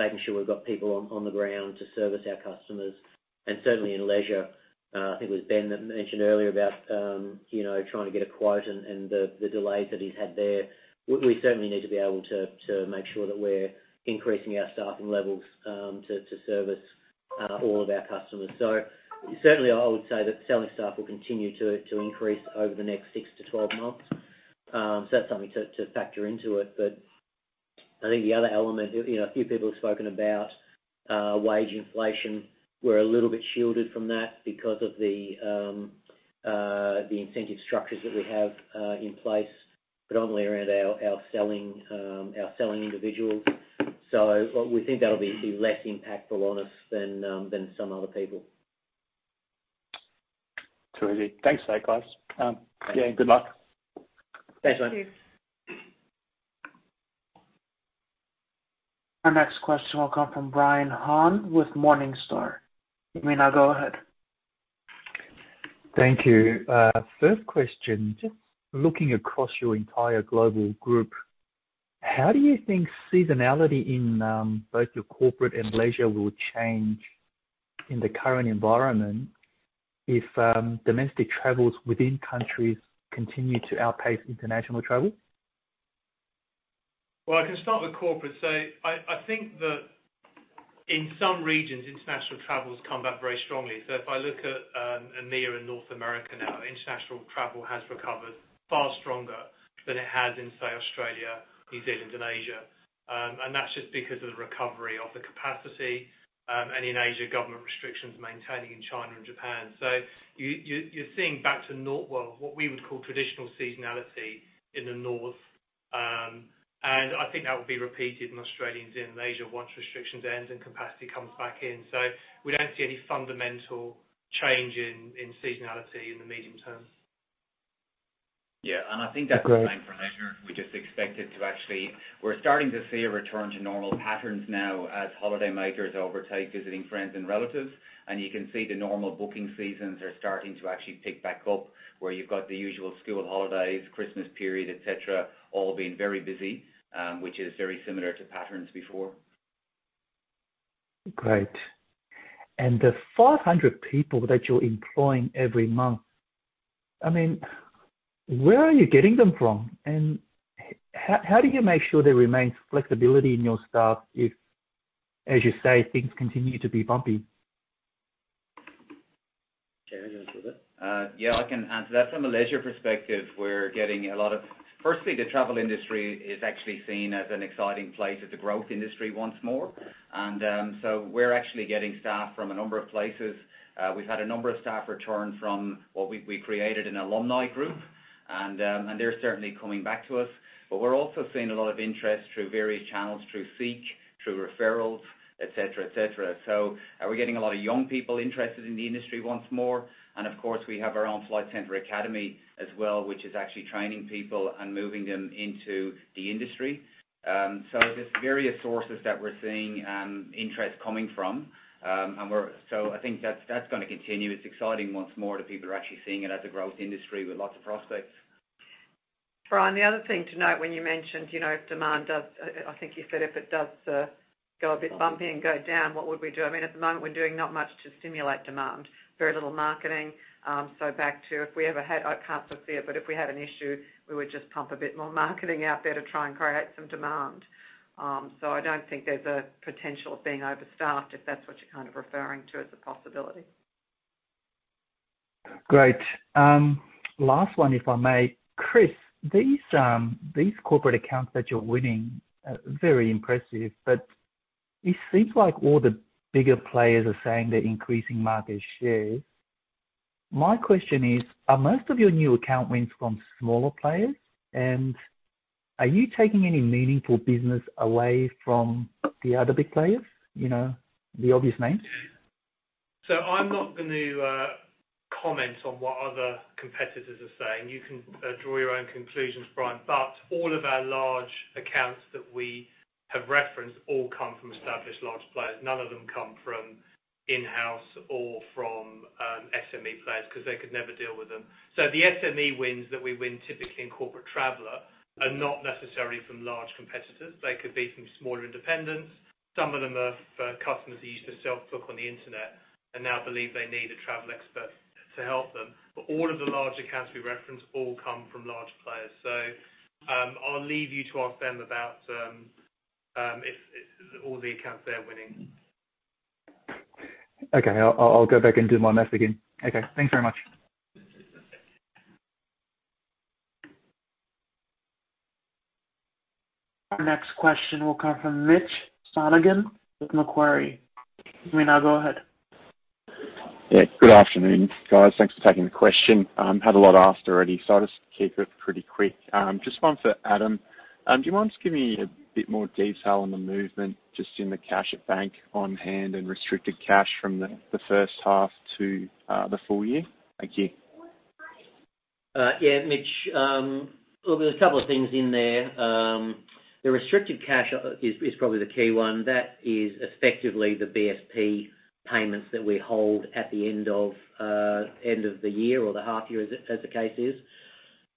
making sure we've got people on the ground to service our customers. Certainly in leisure, I think it was Ben that mentioned earlier about you know, trying to get a quote and the delays that he's had there. We certainly need to be able to make sure that we're increasing our staffing levels to service all of our customers. Certainly I would say that selling staff will continue to increase over the next six-12 months. That's something to factor into it. I think the other element, you know, a few people have spoken about, wage inflation. We're a little bit shielded from that because of the incentive structures that we have in place, predominantly around our selling individuals. We think that'll be less impactful on us than some other people. Too easy. Thanks, guys. Yeah, good luck. Thanks, man. Thank you. Our next question will come from Brian Han with Morningstar. You may now go ahead. Thank you. First question, just looking across your entire global group, how do you think seasonality in both your corporate and leisure will change in the current environment if domestic travels within countries continue to outpace international travel? Well, I can start with corporate. I think that in some regions, international travel has come back very strongly. If I look at EMEA and North America now, international travel has recovered far stronger than it has in, say, Australia, New Zealand and Asia. And that's just because of the recovery of the capacity, and in Asia, government restrictions maintaining in China and Japan. You're seeing back to normal, well, what we would call traditional seasonality in the North. I think that will be repeated in Australia and New Zealand and Asia once restrictions end and capacity comes back in. We don't see any fundamental change in seasonality in the medium term. Yeah. I think that's- Great.... the same for leisure. We just expect it to actually. We're starting to see a return to normal patterns now as holiday makers overtake visiting friends and relatives. You can see the normal booking seasons are starting to actually pick back up, where you've got the usual school holidays, Christmas period, et cetera, all being very busy, which is very similar to patterns before. Great. The 500 people that you're employing every month, I mean, where are you getting them from? How do you make sure there remains flexibility in your staff if, as you say, things continue to be bumpy? Gary, do you want to take that? Yeah, I can answer that. From a leisure perspective, we're getting a lot of firstly, the travel industry is actually seen as an exciting place. It's a growth industry once more. We're actually getting staff from a number of places. We've had a number of staff return from what we created an alumni group, and they're certainly coming back to us. We're also seeing a lot of interest through various channels, through SEEK, through referrals, et cetera, et cetera. We're getting a lot of young people interested in the industry once more. Of course, we have our own Flight Centre Academy as well, which is actually training people and moving them into the industry. There's various sources that we're seeing interest coming from. I think that's gonna continue. It's exciting once more that people are actually seeing it as a growth industry with lots of prospects. Brian, the other thing to note when you mentioned, you know, if demand does, I think you said if it does, go a bit bumpy and go down, what would we do? I mean, at the moment, we're doing not much to stimulate demand. Very little marketing. Back to if we ever had, I can't foresee it, but if we had an issue, we would just pump a bit more marketing out there to try and create some demand. I don't think there's a potential of being overstaffed, if that's what you're kind of referring to as a possibility. Great. Last one, if I may. Chris, these corporate accounts that you're winning are very impressive, but it seems like all the bigger players are saying they're increasing market share. My question is, are most of your new account wins from smaller players? Are you taking any meaningful business away from the other big players? You know, the obvious names. I'm not going to comment on what other competitors are saying. You can draw your own conclusions, Brian. All of our large accounts that we have referenced all come from established large players. None of them come from in-house or from SME players because they could never deal with them. The SME wins that we win typically in Corporate Traveller are not necessarily from large competitors. They could be from smaller independents. Some of them are for customers who used to self-book on the internet and now believe they need a travel expert to help them. All of the large accounts we reference all come from large players. I'll leave you to ask them about if all the accounts they're winning. Okay. I'll go back and do my math again. Okay. Thanks very much. Our next question will come from Mitchell Sonogan with Macquarie. You may now go ahead. Yeah. Good afternoon, guys. Thanks for taking the question. Had a lot asked already, so I'll just keep it pretty quick. Just one for Adam. Do you mind just giving me a bit more detail on the movement just in the cash at bank on hand and restricted cash from the first half to the full year? Thank you. Yeah, Mitch. Well, there's a couple of things in there. The restricted cash is probably the key one. That is effectively the BSP payments that we hold at the end of the year or the half year as the case is.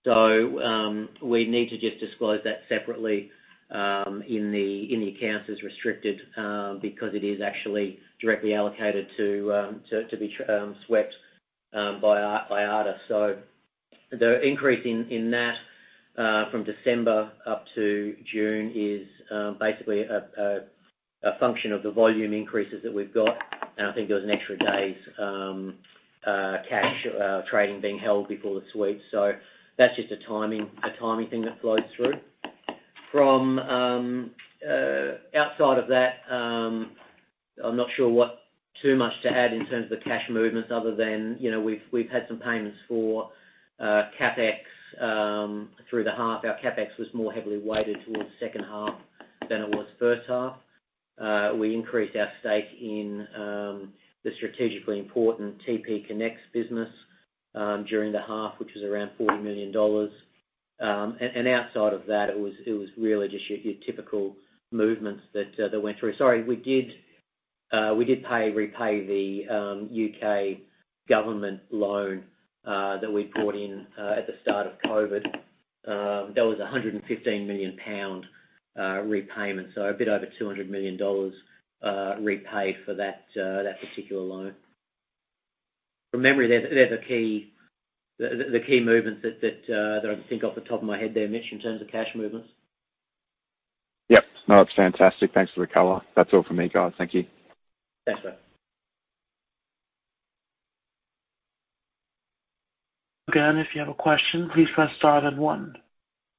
We need to just disclose that separately in the accounts as restricted because it is actually directly allocated to be swept by IATA. The increase in that from December up to June is basically a function of the volume increases that we've got. I think there was an extra day's cash trading being held before the sweep. That's just a timing thing that flows through. From outside of that, I'm not sure what more to add in terms of the cash movements other than, you know, we've had some payments for CapEx through the half. Our CapEx was more heavily weighted towards second half than it was first half. We increased our stake in the strategically important TPConnects business during the half, which was around 40 million dollars. Outside of that, it was really just your typical movements that went through. Sorry, we repaid the U.K. government loan that we'd brought in at the start of COVID. That was a 115 million pound repayment, so a bit over 200 million dollars repaid for that particular loan. From memory, they're the key movements that I can think of the top of my head there, Mitch, in terms of cash movements. Yep. No, that's fantastic. Thanks for the color. That's all from me, guys. Thank you. Thanks, mate. Again, if you have a question, please press star then one.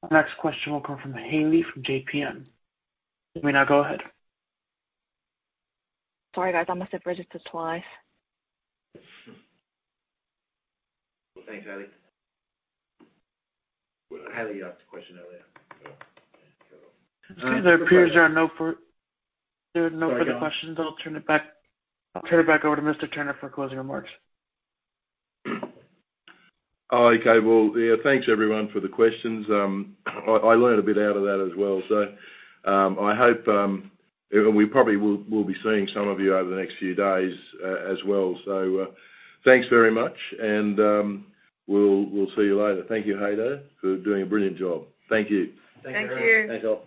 Our next question will come from Hailey from JPM. You may now go ahead. Sorry, guys. I must have registered twice. Well, thanks, Hailey. Hailey asked a question earlier. It appears there are no further questions. I'll turn it back over to Mr. Turner for closing remarks. Okay. Well, yeah, thanks everyone for the questions. I learned a bit out of that as well. I hope and we probably will be seeing some of you over the next few days as well. Thanks very much and we'll see you later. Thank you, Haydn, for doing a brilliant job. Thank you. Thank you. Thank you. Thanks all.